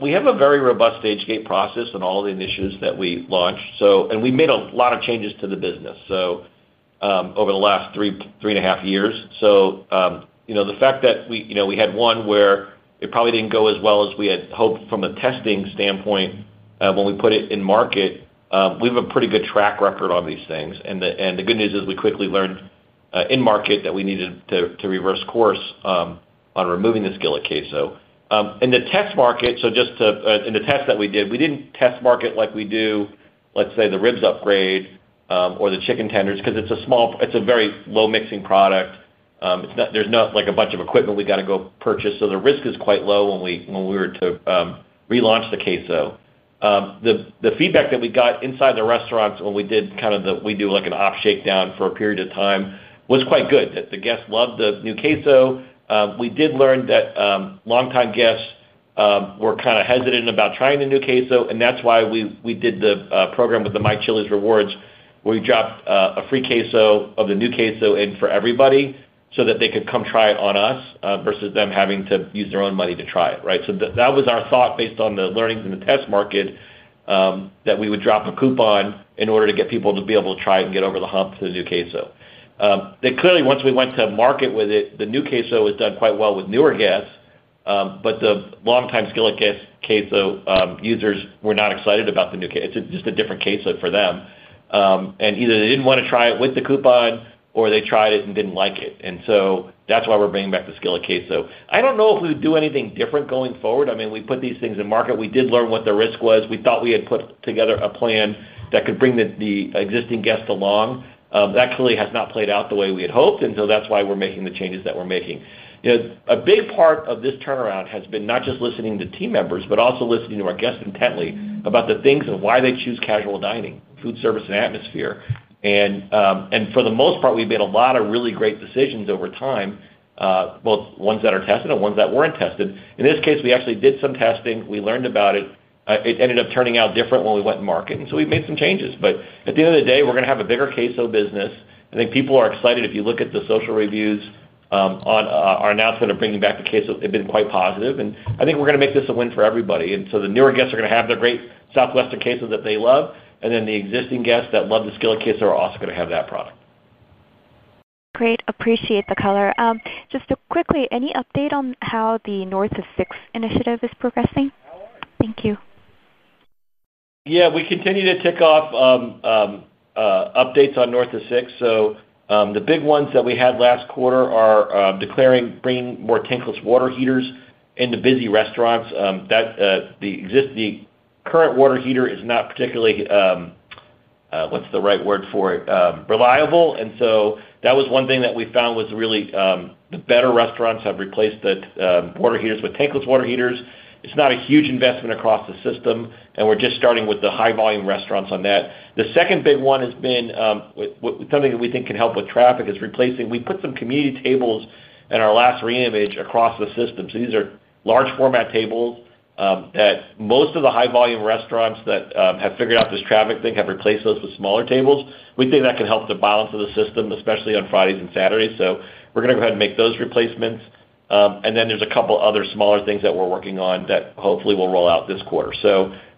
we have a very robust stage gate process in all the initiatives that we launched. We made a lot of changes to the business over the last 3.5 years. The fact that we had one where it probably didn't go as well as we had hoped from a testing standpoint, when we put it in market, we have a pretty good track record on these things. The good news is we quickly learned in market that we needed to reverse course on removing the skillet queso in the test market. Just in the test that we did, we didn't test market like we do, let's say, the ribs upgrade or the chicken tenders, because it's a small, it's a very low mixing product. There's not like a bunch of equipment we've got to go purchase. The risk is quite low. When we were to relaunch the queso, the feedback that we got inside the restaurants when we did kind of, we do like an OP shakedown for a period of time, was quite good. The guests loved the new queso. We did learn that longtime guests were kind of hesitant about trying the new queso, and that's why we did the program with the My Chili's Rewards. We dropped a free queso of the new queso in for everybody so that they could come try it on us versus them having to use their own money to try it. That was our thought, based on the learnings in the test market, that we would drop a coupon in order to get people to be able to try it and get over the hump to the new queso. Clearly, once we went to market with it, the new queso has done quite well with newer guests. The longtime skillet queso users were not excited about the new. It's just a different queso for them. Either they didn't want to try it with the coupon, or they tried it and didn't like it. That's why we're bringing back the skillet queso. I don't know if we would do anything different going forward. We put these things in market. We did learn what the risk was. We thought we had put together a plan that could bring the existing guest along. That clearly has not played out the way we had hoped. That's why we're making the changes that we're making. A big part of this turnaround has been not just listening to team members, but also listening to our guests intently about the things of why they choose casual dining, food, service, and atmosphere. For the most part, we made a lot of really great decisions over time, both ones that are tested and ones that weren't tested. In this case, we actually did some testing. We learned about it. It ended up turning out different when we went in market, and we made some changes. At the end of the day, we're going to have a bigger queso business. I think people are excited. If you look at the social reviews on our announcement of bringing back the queso, it's been quite positive. I think we're going to make this a win for everybody. The newer guests are going to have the great Southwest aces that they love, and the existing guests that love the skillet queso are also going to have that product. Great. Appreciate the color. Just quickly, any update on how the North of Six initiative is progressing? Thank you. Yeah, we continue to tick off updates on North of Six. The big ones that we had last quarter are declaring bringing more tankless water heaters into busy restaurants. The current water heater is not particularly, what's the right word for it, reliable. That was one thing that we found was really the better restaurants have replaced the water heaters with tankless water heaters. It's not a huge investment across the system, and we're just starting with the high volume restaurants on that. The second big one has been something that we think can help with traffic is replacing. We put some community tables in our last reimage across the system. These are large format tables that most of the high volume restaurants that have figured out this traffic thing have replaced with smaller tables. We think that can help the balance of the system, especially on Fridays and Saturdays. We're going to go ahead and make those replacements. There are a couple other smaller things that we're working on that hopefully will roll out this quarter.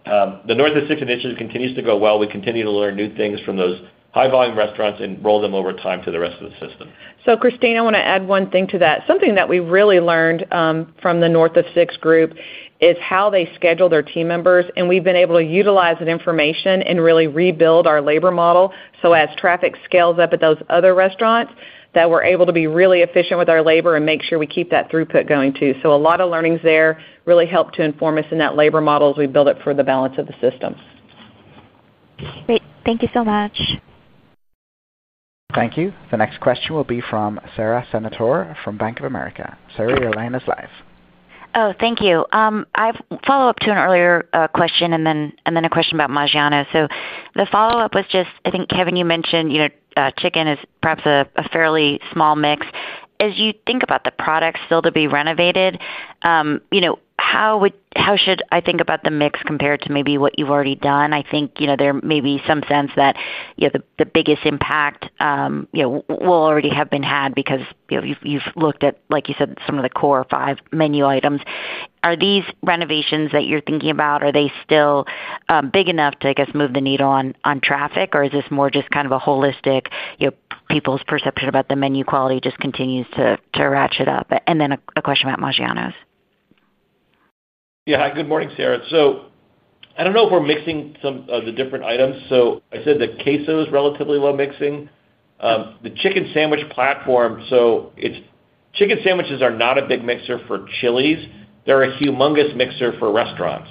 The North of Six initiative continues to go well. We continue to learn new things from those high volume restaurants and roll them over time to the rest of the system. Christine, I want to add one thing to that. Something that we really learned from the North of Six group is how they schedule their team members. We've been able to utilize that information and really rebuild our labor model. As traffic scales up at those other restaurants, we're able to be really efficient with our labor and make sure we keep that throughput going too. A lot of learnings there really help to inform us in that labor model as we build it for the balance of the system. Great. Thank you so much. Thank you. The next question will be from Sara Senatore from Bank of America. Sara, your line is live. Oh, thank you. I follow up to an earlier question and then a question about Maggiano's. The follow up was just, I think, Kevin, you mentioned chicken is perhaps a fairly small mix as you think about the products still to be renovated. How would you, how should I think about the mix compared to maybe what you've already done? I think there may be some sense that the biggest impact will already have been had because you've looked at, like you said, some of the core five menu items. Are these renovations that you're thinking about, are they still big enough to, I guess, move the needle on traffic, or is this more just kind of a holistic people's perception about the menu quality just continues to ratchet up? And then a question about Maggiano's. Yes, good morning, Sara. I don't know if we're mixing some of the different items. I said the queso is relatively low. Mixing the chicken sandwich platform, chicken sandwiches are not a big mixer for Chili's. They're a humongous mixer for restaurants.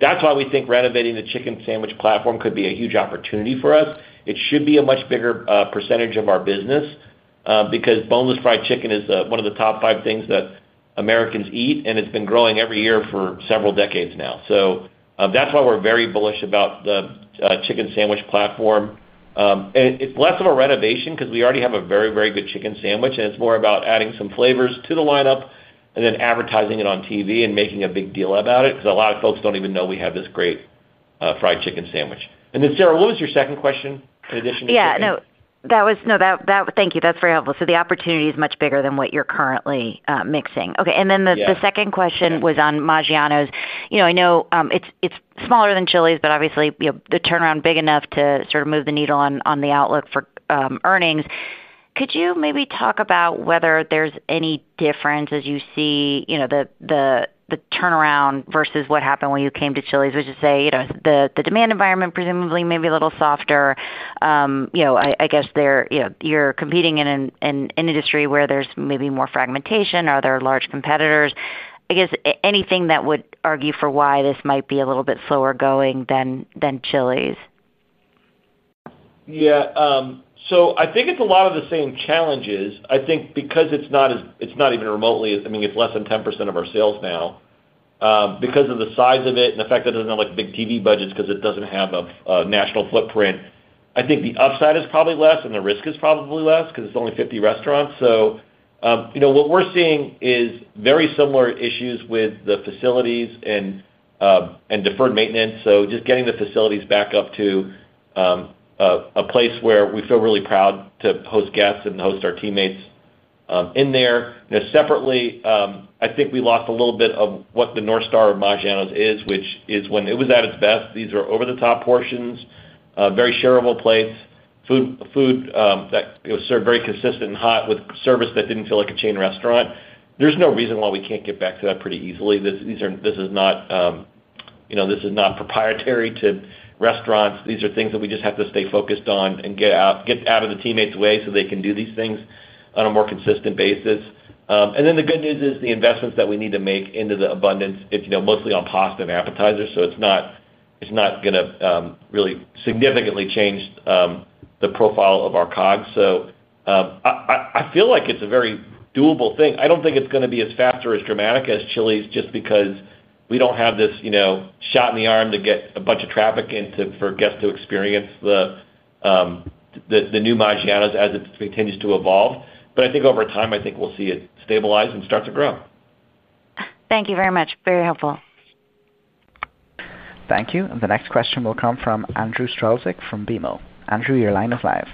That's why we think renovating the chicken sandwich platform could be a huge opportunity for us. It should be a much bigger percentage of our business because boneless fried chicken is one of the top five things that Americans eat, and it's been growing every year for several decades now. That's why we're very bullish about the chicken sandwich platform. It's less of a renovation because we already have a very, very good chicken sandwich, and it's more about adding some flavors to the lineup and then advertising it on TV and making a big deal about it, because a lot of folks don't even know we have this great fried chicken sandwich, and then Sara, what was your second question in addition to? Yeah, thank you. That's very helpful. The opportunity is much bigger than what you're currently mixing then. The second question was on Maggiano's. I know it's smaller than Chili's, but obviously the turnaround big enough to move the needle on the outlook for earnings. Could you maybe talk about whether there's any difference as you see the turnaround versus what happened when you came to Chili's? Would you say the demand environment presumably may be a little softer? I guess you're competing in an industry where there's maybe more fragmentation. Are there large competitors? I guess anything that would argue for why this might be a little bit slower going than Chili's? Yeah, I think it's a lot of the same challenges, I think, because it's not even remotely. I mean, it's less than 10% of our sales now because of the size of it and the fact that it doesn't have big TV budgets because it doesn't have national footprint. I think the upside is probably less and the risk is probably less because it's only 50 restaurants. What we're seeing is very similar issues with the facilities and deferred maintenance. Just getting the facilities back up to a place where we feel really proud to host guests and host our teammates in there separately. I think we lost a little bit of what the North Star of Maggiano's is, which is when it was at its best. These are over the top portions, very shareable plates, food that's served very consistent and hot with service that didn't feel like a chain restaurant. There's no reason why we can't get back to that pretty easily. This is not proprietary to restaurants. These are things that we just have to stay focused on and get out of the teammates' way so they can do these things on a more consistent basis. The good news is the investments that we need to make into the abundance, mostly on pasta now, appetizer. It's not going to really significantly change the profile of our COGS. I feel like it's a very doable thing. I don't think it's going to be as fast or as dramatic as Chili's just because we don't have this shot in the arm to get a bunch of traffic in for guests to experience the new Maggiano's as it continues to evolve. I think over time, I think we'll see it stabilize and start to grow. Thank you very much. Very helpful. Thank you. The next question will come from Andrew Strelczyk from BMO. Andrew, your line is live.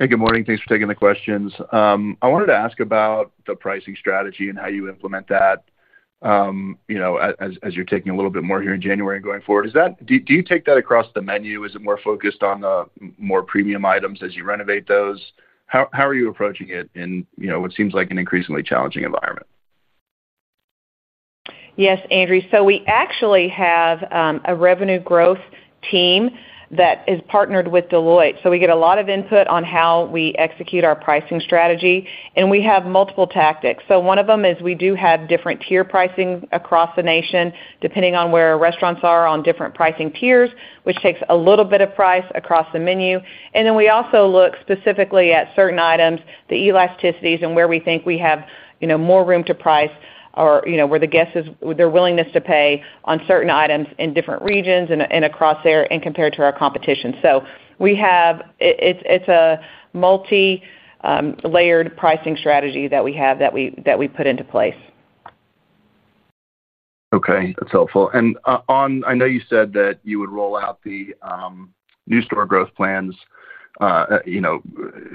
Hey, good morning. Thanks for taking the questions. I wanted to ask about the pricing strategy and how you implement that. You know, as you're taking a little bit more here in January and going forward, is that. Do you take that across the menu? Is it more focused on the more premium items as you renovate those? How are you approaching it in what seems like an increasingly challenging environment? Yes, Andrew. We actually have a revenue growth team that is partnered with Deloitte. We get a lot of input on how we execute our pricing strategy, and we have multiple tactics. One of them is we do have different tier pricing across the nation, depending on where restaurants are on different pricing tiers, which takes a little bit of price across the menu. We also look specifically at certain items, the elasticities, and where we think we have more room to price or where the guest is, their willingness to pay on certain items in different regions and across there and compared to our competition. It's a multi-layered pricing strategy that we have that we put into place. Okay, that's helpful. I know you said that you would roll out the new store growth plans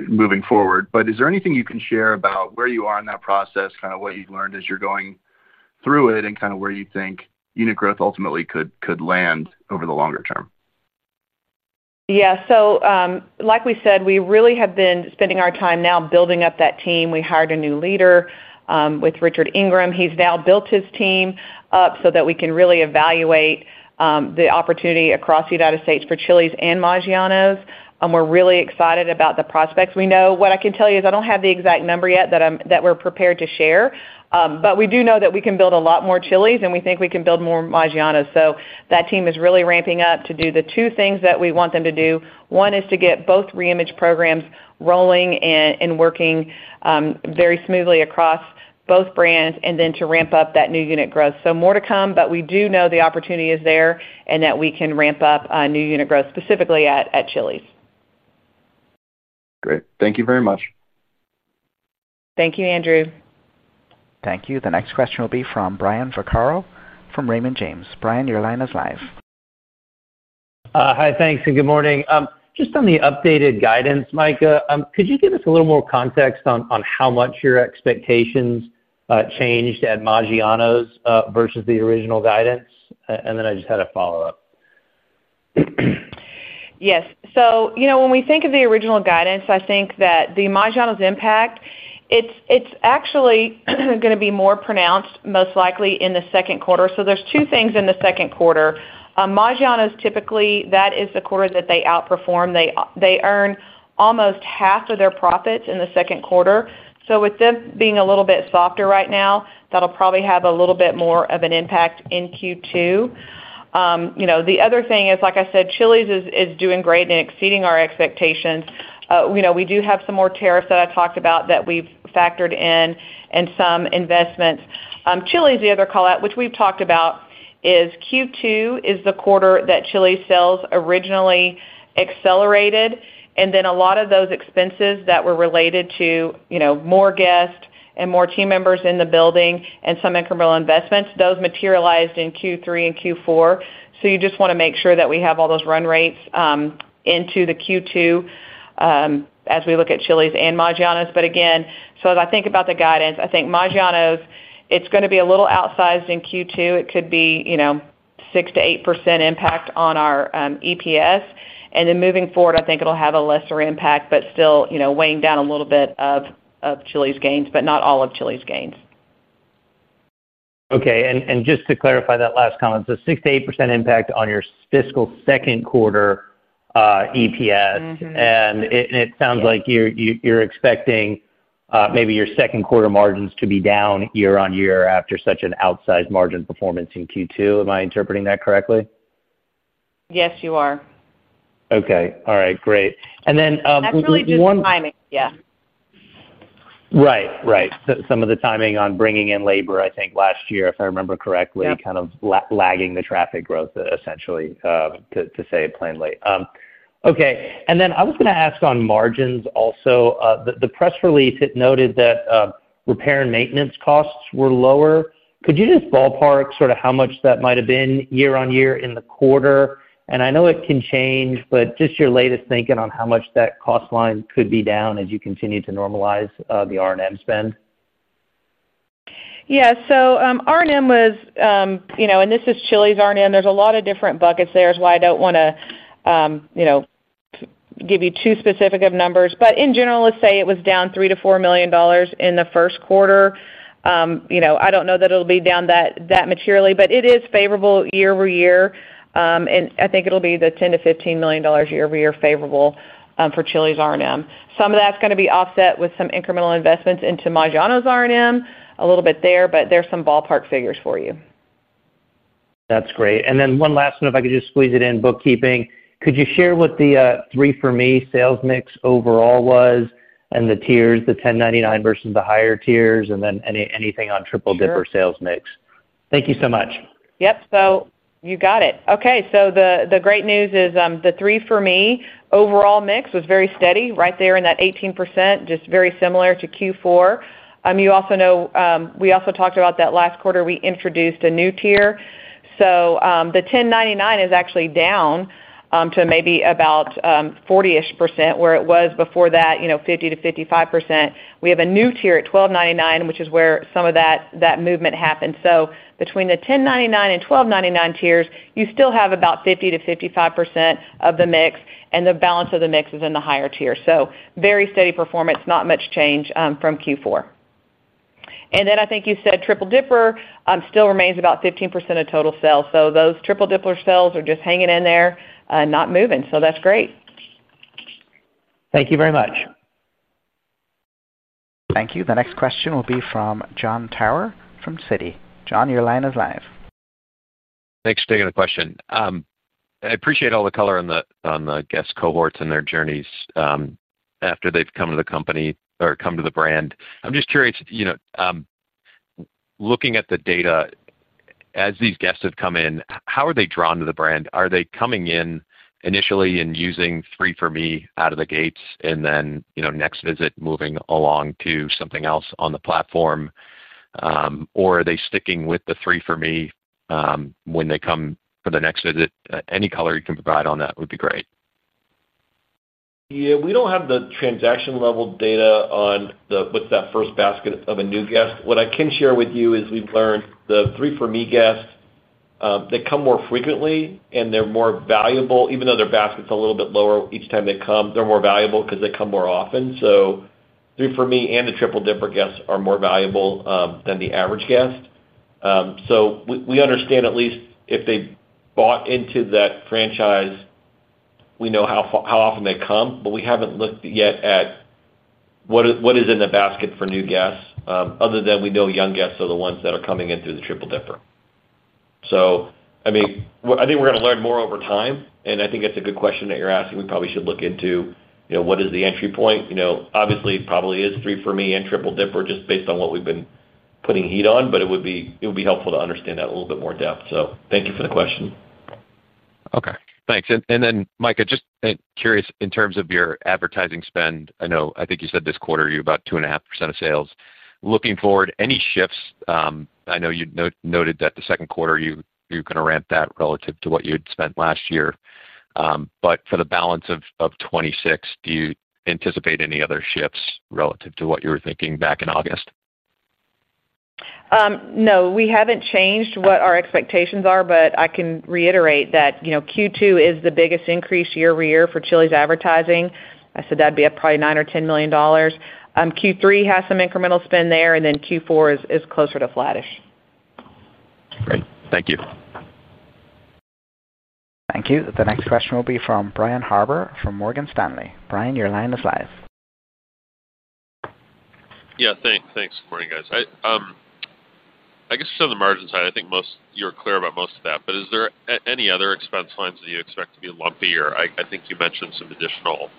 moving forward, but is there anything you can share about where you are in that process, what you've learned as you're going through it, and where you think unit growth ultimately could land over the longer term? Yeah. Like we said, we really have been spending our time now building up that team. We hired a new leader with Richard Ingram. He's now built his team up so that we can really evaluate the opportunity across the United States for Chili's and Maggiano's. We're really excited about the prospects. What I can tell you is I don't have the exact number yet that we're prepared to share, but we do know that we can build a lot more Chili's and we think we can build more Maggiano's. That team is really ramping up to do the two things that we want them to do. One is to get both reimage programs rolling and working very smoothly across both brands, and then to ramp up that new unit growth. More to come. We do know the opportunity is there and that we can ramp up new unit growth, specifically at Chili's. Great. Thank you very much. Thank you, Andrew. Thank you. The next question will be from Brian Vaccaro from Raymond James. Brian, your line is live. Hi. Thanks. Good morning. Just on the updated guidance, Mika, could you give us a little more context on how much your expectations changed at Maggiano's versus the original guidance? I just had a follow up. Yes. When we think of the original guidance, I think that the Maggiano's impact is actually going to be more pronounced, most likely in the second quarter. There are two things in the second quarter. Maggiano's, typically, that is the quarter that they outperform; they earn almost half of their profits in the second quarter. With them being a little bit softer right now, that will probably have a little bit more of an impact in Q2. The other thing is, like I said, Chili's is doing great and exceeding our expectations. We do have some more tariffs that I talked about that we've factored in and some investments. Chili's, the other call out, which we've talked about, is Q2 is the quarter that Chili's sales originally accelerated. A lot of those expenses that were related to more guests and more team members in the building and some incremental investments, those materialized in Q3 and Q4. You just want to make sure that we have all those run rates into Q2 as we look at Chili's and Maggiano's. Again, as I think about the guidance, I think Maggiano's is going to be a little outsized in Q2. It could be 6%-8% impact on our EPS. Moving forward, I think it will have a lesser impact, but still weighing down a little bit of Chili's gains, but not all of Chili's gains. Okay. Just to clarify that last comment, the 6%-8% impact on your fiscal second quarter EPS, it sounds like you're expecting maybe your second quarter margins to be down year on year after such an outsized margin performance in Q2. Am I interpreting that correctly? Yes, you are. Okay. All right, great. Timing, right, right. Some of the timing on bringing in labor, I think last year, if I remember correctly, kind of lagging the traffic growth, essentially, to say it plainly. I was going to ask on margins also. The press release noted that repair and maintenance costs were lower. Could you just ballpark sort of how much that might have been year on year in the quarter? I know it can change, but just your latest thinking on how much that cost line could be down as you continue to normalize the R&M spend. Yeah, so R&M was, you know, and this is Chili's R&M. There's a lot of different buckets there. That's why I don't want to give too specific of numbers. In general, let's say it was down $3 million-$4 million in the first quarter. I don't know that it will be down that materially, but it is favorable year-over-year. I think it'll be the $10 million-$15 million year-over-year favorable for Chili's R&M. Some of that's going to be offset with some incremental investments into Maggiano's R&M a little bit there, but there's some ballpark figures for you. That's great. One last one, if I could just squeeze it in, bookkeeping, could you share what the 3 for Me sales mix overall was and the tiers, the $10.99 versus the higher tiers, and then anything on Triple Dipper sales mix? Thank you so much. Yep. You got it. The great news is the 3 for Me overall mix was very steady right there in that 18%, just very similar to Q4. You also know we also talked about that last quarter we introduced a new tier. The $10.99 is actually down to maybe about 40% where it was before that, 50%-55%. We have a new tier at $12.99, which is where some of that movement happened. Between the $10.99 and $12.99 tiers, you still have about 50%-55% of the mix and the balance of the mix is in the higher tier. Very steady performance. Not much change from Q4. I think you said Triple Dipper still remains about 15% of total sales. Those Triple Dipper sales are just hanging in there, not moving. That's great. Thank you very much. Thank you. The next question will be from Jon Tower from Citi. Jon, your line is live. Thanks for taking the question. I appreciate all the color on the guest cohorts and their journeys after they've come to the company or come to the brand. I'm just curious, looking at the data as these guests have come in, how are they drawn to the brand? Are they coming in initially and using 3 for Me out of the gates and then next visit moving along to something else on the platform, or are they sticking with the 3 for Me when they come for the next visit? Any color you can provide on that would be great. Yeah, we don't have the transaction level data on what's that first basket of a new guest. What I can share with you is we've learned the 3 for Me guests, they come more frequently and they're more valuable even though their basket is a little bit lower each time they come, they're more valuable because they come more often. So 3 for Me and the Triple Dipper guests are more valuable than the average guest. We understand, at least if they bought into that franchise, we know how often they come. We haven't looked yet at what is in the basket for new guests other than we know young guests are the ones that are coming in through the Triple Dipper. I think we're going to learn more over time. I think it's a good question that you're asking. We probably should look into what is the entry point. Obviously, it probably is 3 for Me and Triple Dipper just based on what we've been putting heat on. It would be helpful to understand that in a little bit more depth. Thank you for the question. Okay, thanks. Then, Mika, just curious, in terms of your advertising spend, I know, I think you said this quarter you were about 2.5% of sales. Looking forward, any shifts? I know you noted that the second quarter you're going to ramp that relative to what you had spent last year. For the balance of 2026, do you anticipate any other shifts relative to what you were thinking back in August? No, we haven't changed what our expectations are. I can reiterate that Q2 is the biggest increase year-over-year for Chili's advertising. I said that would be probably $9 million or $10 million. Q3 has some incremental spend there, and Q4 is closer to flattish. Great, thank you. Thank you. The next question will be from Brian Harbour from Morgan Stanley. Brian, your line is live. Yeah, thanks. Morning, guys. I guess just on the margin side, I think most. You're clear about most of that, but is there any other expense lines that you expect to be lumpy or. I think you mentioned some additional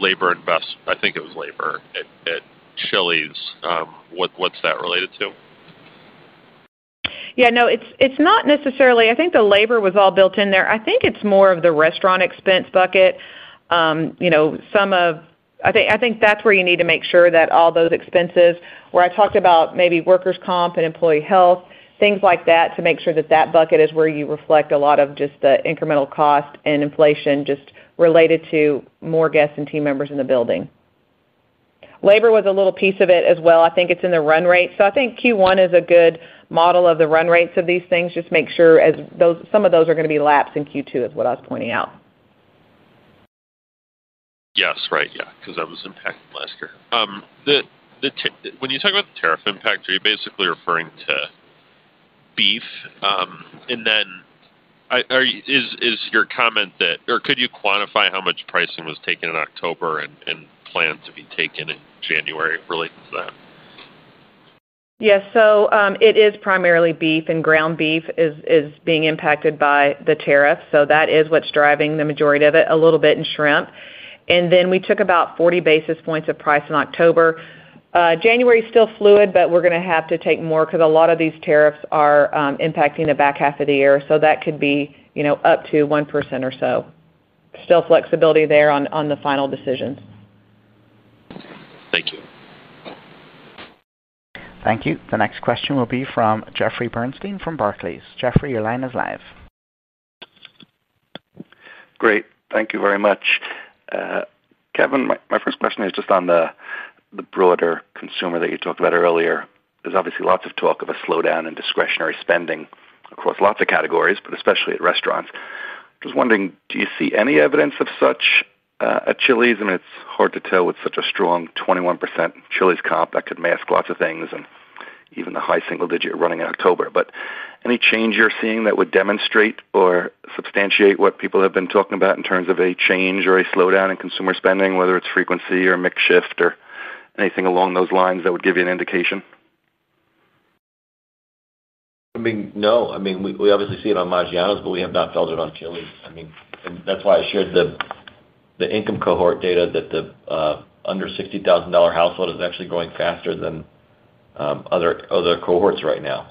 labor investment. I think it was labor at Chili's. What's that related to? Yeah, no, it's not necessarily. I think the labor was all built in there. I think it's more of the restaurant expense bucket. I think that's where you need to make sure that all those expenses where I talked about maybe workers' comp and employee health, things like that, to make sure that that bucket is where you reflect a lot of just the incremental cost and inflation just related to more guests and team members in the building. Labor was a little piece of it as well. I think it's in the run rate. I think Q1 is a good model of the run rates of these things. Just make sure some of those are going to be lapsed in Q2 is what I was pointing out. Yes, right. Yeah. Because I was impacted last year. When you talk about the tariff impact, are you basically referring to beef? Could you quantify how much pricing was taken in October and planned to be taken in January related to that? Yes. It is primarily beef, and ground beef is being impacted by the tariffs. That is what's driving the majority of it. A little bit in shrimp. We took about 40 basis points of price in October. January is still fluid, but we're going to have to take more because a lot of these tariffs are impacting the back half of the year. That could be up to 1% or so. Still flexibility there on the final decisions. Thank you. Thank you. The next question will be from Jeffrey Bernstein from Barclays. Jeffrey, your line is live. Great. Thank you very much, Kevin. My first question is just on the broader consumer that you talked about earlier. There's obviously lots of talk of a slowdown in discretionary spending across lots of categories, but especially at restaurants. Just wondering, do you see any evidence of such at Chili's? It's hard to tell with such a strong 21% Chili's comp that could mask lots of things and even the high single digit running in October. Any change you're seeing that would demonstrate or substantiate what people have been talking about in terms of a change or a slowdown in consumer spending, whether it's frequency or mix shift or anything along those lines that would give you an indication. No. We obviously see it on Maggiano's, but we have not felt it on Chili's. That's why I shared the income cohort data that the under $60,000 household is actually growing faster than other cohorts right now.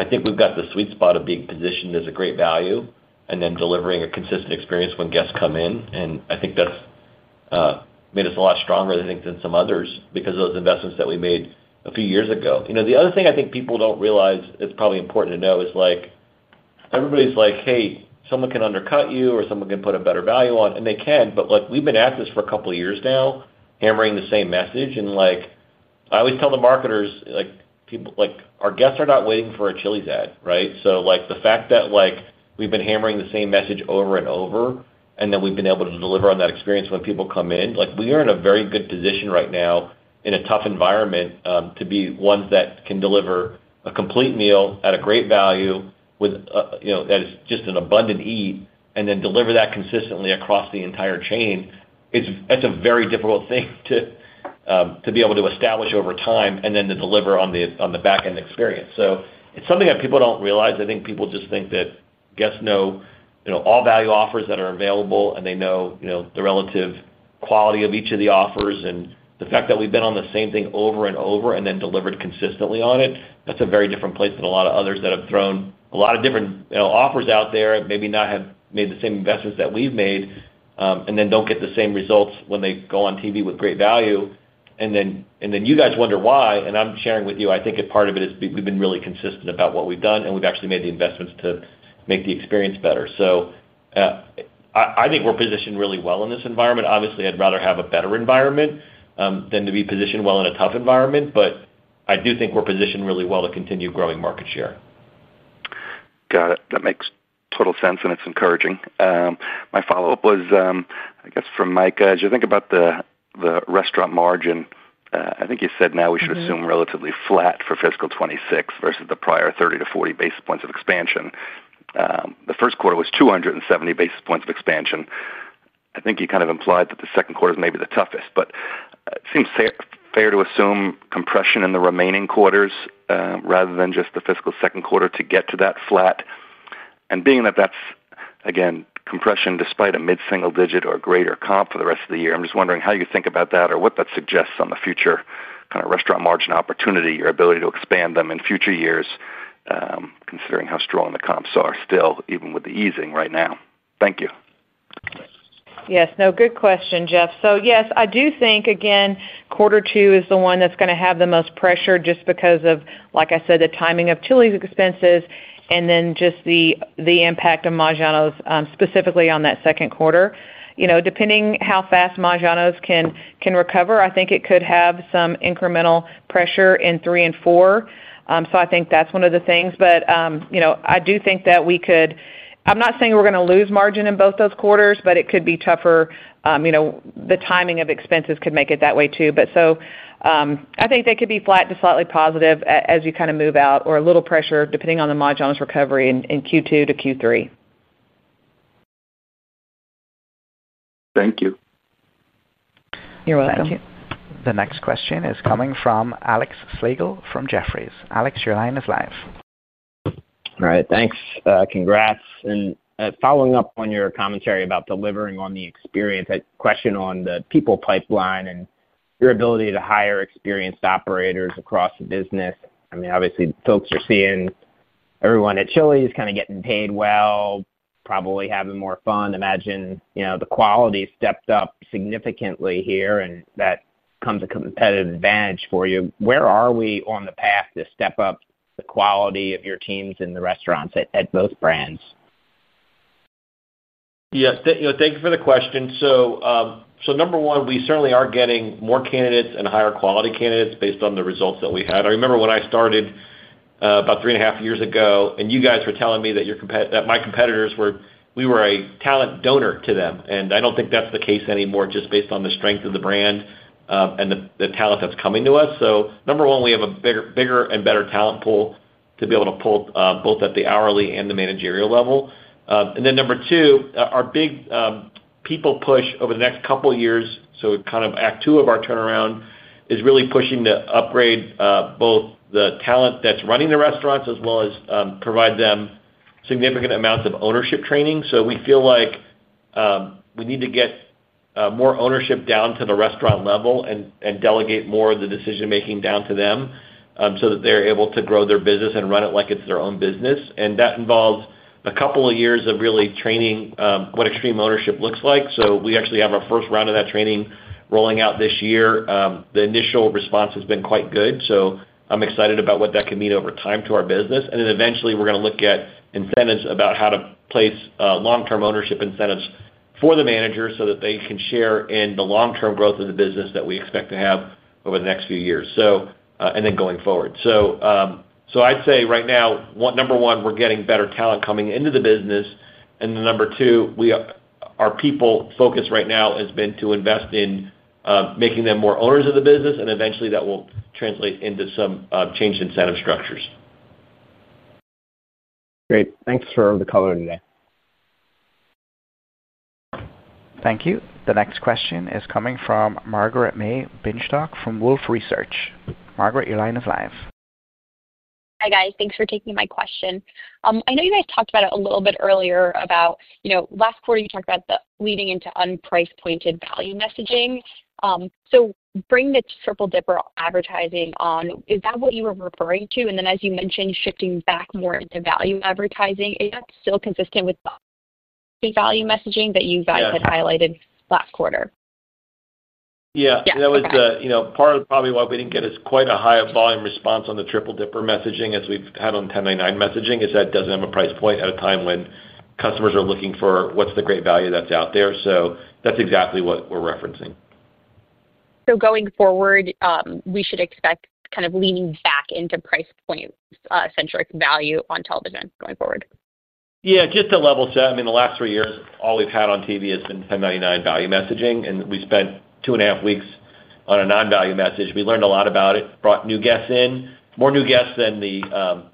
I think we've got the sweet spot of being positioned as a great value and then delivering a consistent experience when guests come in. I think that's made us a lot stronger than some others because of those investments that we made a few years ago. The other thing I think people don't realize, it's probably important to know, is everybody's like, hey, someone can undercut you or someone can put a better value on, and they can. We've been at this for a couple years now hammering the same message. I always tell the marketers, our guests are not waiting for a Chili's ad. The fact that we've been hammering the same message over and over and then we've been able to deliver on that experience when people come in. We are in a very good position right now in a tough environment to be ones that can deliver a complete meal at a great value that is just an abundant eat and then deliver that consistently across the entire chain. It's a very difficult thing to be able to establish over time and then to deliver on the back end experience. It's something that people don't realize. I think people just think that guests know all value offers that are available and they know the relative quality of each of the offers. The fact that we've been on the same thing over and over and then delivered consistently on it, that's a very different place than a lot of others that have thrown a lot of different offers out there, maybe not have made the same investments that we've made and then don't get the same results when they go on TV with great value. You guys wonder why and I'm sharing with you, I think a part of it is we've been really consistent about what we've done and we've actually made the investments to make the experience better. I think we're positioned really well in this environment. Obviously, I'd rather have a better environment than to be positioned well in a tough environment. I do think we're positioned really well to continue growing market share. Got it. That makes total sense and it's encouraging. My follow up was, I guess for Mika, as you think about the restaurant margin, I think you said now we should assume relatively flat for fiscal 2026 versus the prior 30-40 basis points of expansion. The first quarter was 270 basis points of expansion. I think you kind of implied that the second quarter is maybe the toughest, but it seems fair to assume compression in the remaining quarters rather than just the fiscal second quarter to get to that flat. Being that that's again compression despite a mid single digit or greater comp for the rest of the year, I'm just wondering how you think about that or what that suggests on the kind of restaurant margin opportunity, your ability to expand them in future years, considering how strong the comps are still, even with the easing right now. Thank you. Yes. No, good question, Jeff. Yes, I do think again, quarter two is the one that's going to have the most pressure just because of, like I said, the timing of Chili's expenses and then just the impact of Maggiano's specifically on that second quarter. Depending how fast Maggiano's can recover, I think it could have some incremental pressure in 3 and 4. I think that's one of the things. I do think that we could. I'm not saying we're going to lose margin in both those quarters, but it could be tougher. The timing of expenses could make it that way too. I think they could be flat to slightly positive as you kind of move out or a little pressure depending on the Maggiano's recovery in Q2 to Q3. Thank you. You're welcome. Thank you. The next question is coming from Alexander Slagle from Jefferies. Alex, your line is live. All right, thanks. Congrats. Following up on your commentary about delivering on the experience, a question on the people pipeline and your ability to hire experienced operators across the business. Obviously, folks are seeing everyone at Chili’s is kind of getting paid well, probably having more fun. Imagine the quality stepped up significantly here and that comes as a competitive advantage for you. Where are we on the path to step up the quality of your teams in the restaurants at both brands? Yes, thank you for the question. Number one, we certainly are getting more candidates and higher quality candidates based on the results that we had. I remember when I started about 3.5 years ago and you guys were telling me that my competitors, we were a talent donor to them. I don't think that's the case anymore just based on the strength of the brand and the talent that's coming to us. Number one, we have a bigger and better talent pool to be able to pull both at the hourly and the managerial level. Number two, our big people push over the next couple years, kind of Act 2 of our turnaround, is really pushing to upgrade both the talent that's running the restaurants as well as provide them significant amounts of ownership training. We feel like we need to get more ownership down to the restaurant level and delegate more of the decision making down to them so that they're able to grow their business and run it like it's their own business. That involves a couple of years of really training what extreme ownership looks like. We actually have our first round of that training rolling out this year. The initial response has been quite good. I'm excited about what that can mean over time to our business. Eventually, we're going to look at incentives about how to place long-term ownership incentives for the manager so that they can share in the long-term growth of the business that we expect to have over the next few years and then going forward. I'd say right now, number one, we're getting better talent coming into the business. Number two, our people focus right now has been to invest in making them more owners of the business and eventually that will translate into some changed incentive structures. Great. Thanks for the color today. Thank you. The next question is coming from Margaret-May Binshtok from Wolfe Research. Margaret, your line is live. Hi guys. Thanks for taking my question. I know you guys talked about it a little bit earlier about, you know, last quarter you talked about the leaning into unpriced pointed value messaging. To bring the Triple Dipper advertising on, is that what you were referring to? As you mentioned, shifting back more into value advertising, is that still consistent with value messaging that you guys had highlighted last quarter? Yeah, that was part of probably why we didn't get as quite a high volume response on the Triple Dipper messaging as we've had on 3 for Me messaging. Messaging is that it doesn't have a price point at a time when customers are looking for what's the great value that's out there. That's exactly what we're referencing. Going forward, we should expect kind of leaning back into price point centric value on television going forward? Yeah, just to level set, I mean, the last three years all we've had on TV has been $10.99 value messaging. We spent two and a half weeks on a non-value message. We learned a lot about it. It brought new guests in, more new guests than the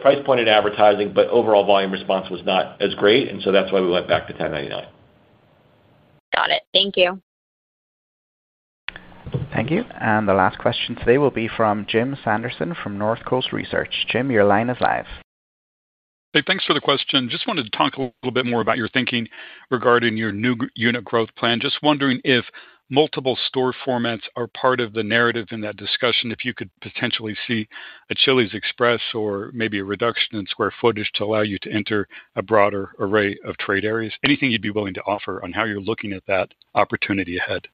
price point in advertising. Overall volume response was not as great. That's why we went back to $10.99. Got it. Thank you. Thank you. The last question today will be from Jim Sanderson from North Coast Research. Jim, your line is live. Thanks for the question. Just wanted to talk a little bit more about your thinking regarding your new unit growth plan. Just wondering if multiple store formats are part of the narrative in that discussion. If you could potentially see a Chili's Express or maybe a reduction in square footage to allow you to enter a broader array of trade areas. Anything you'd be willing to offer on how you're looking at that opportunity ahead.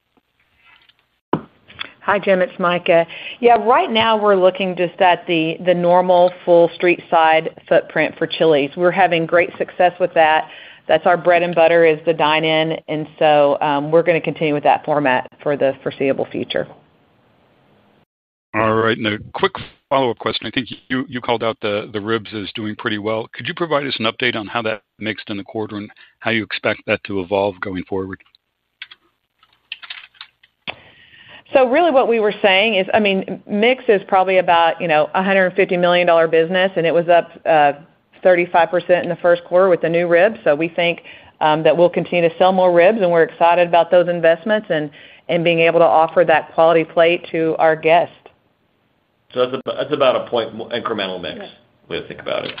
Hi, Jim, it's Mika. Right now we're looking just at the normal full street side footprint for Chili's. We're having great success with that. That's our bread and butter, the dine in, and we're going to continue with that format for the foreseeable future. All right, quick follow-up question. I think you called out the ribs as doing pretty well. Could you provide us an update on how that mixed in the quarter, and how you expect that to evolve going forward? What we were saying is, I mean, mix is probably about a $150 million business, and it was up 35% in the first quarter with the new ribs. We think that we'll continue to sell more ribs, and we're excited about those investments and being able to offer that quality plate to our guests. That's about a point. Incremental mix, the way to think about it.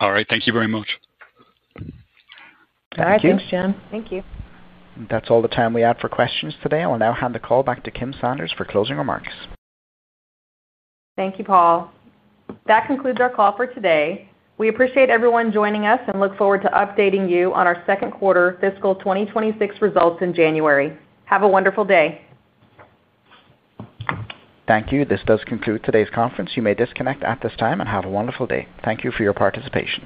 All right, thank you very much. All right, thanks, Jim. Thank you. That's all the time we had for questions today. I will now hand the call back to Kim Sanders for closing remarks. Thank you, Paul. That concludes our call for today. We appreciate everyone joining us and look forward to updating you on our second quarter fiscal 2026 results in January. Have a wonderful day. Thank you. This does conclude today's conference. You may disconnect at this time and have a wonderful day. Thank you for your participation.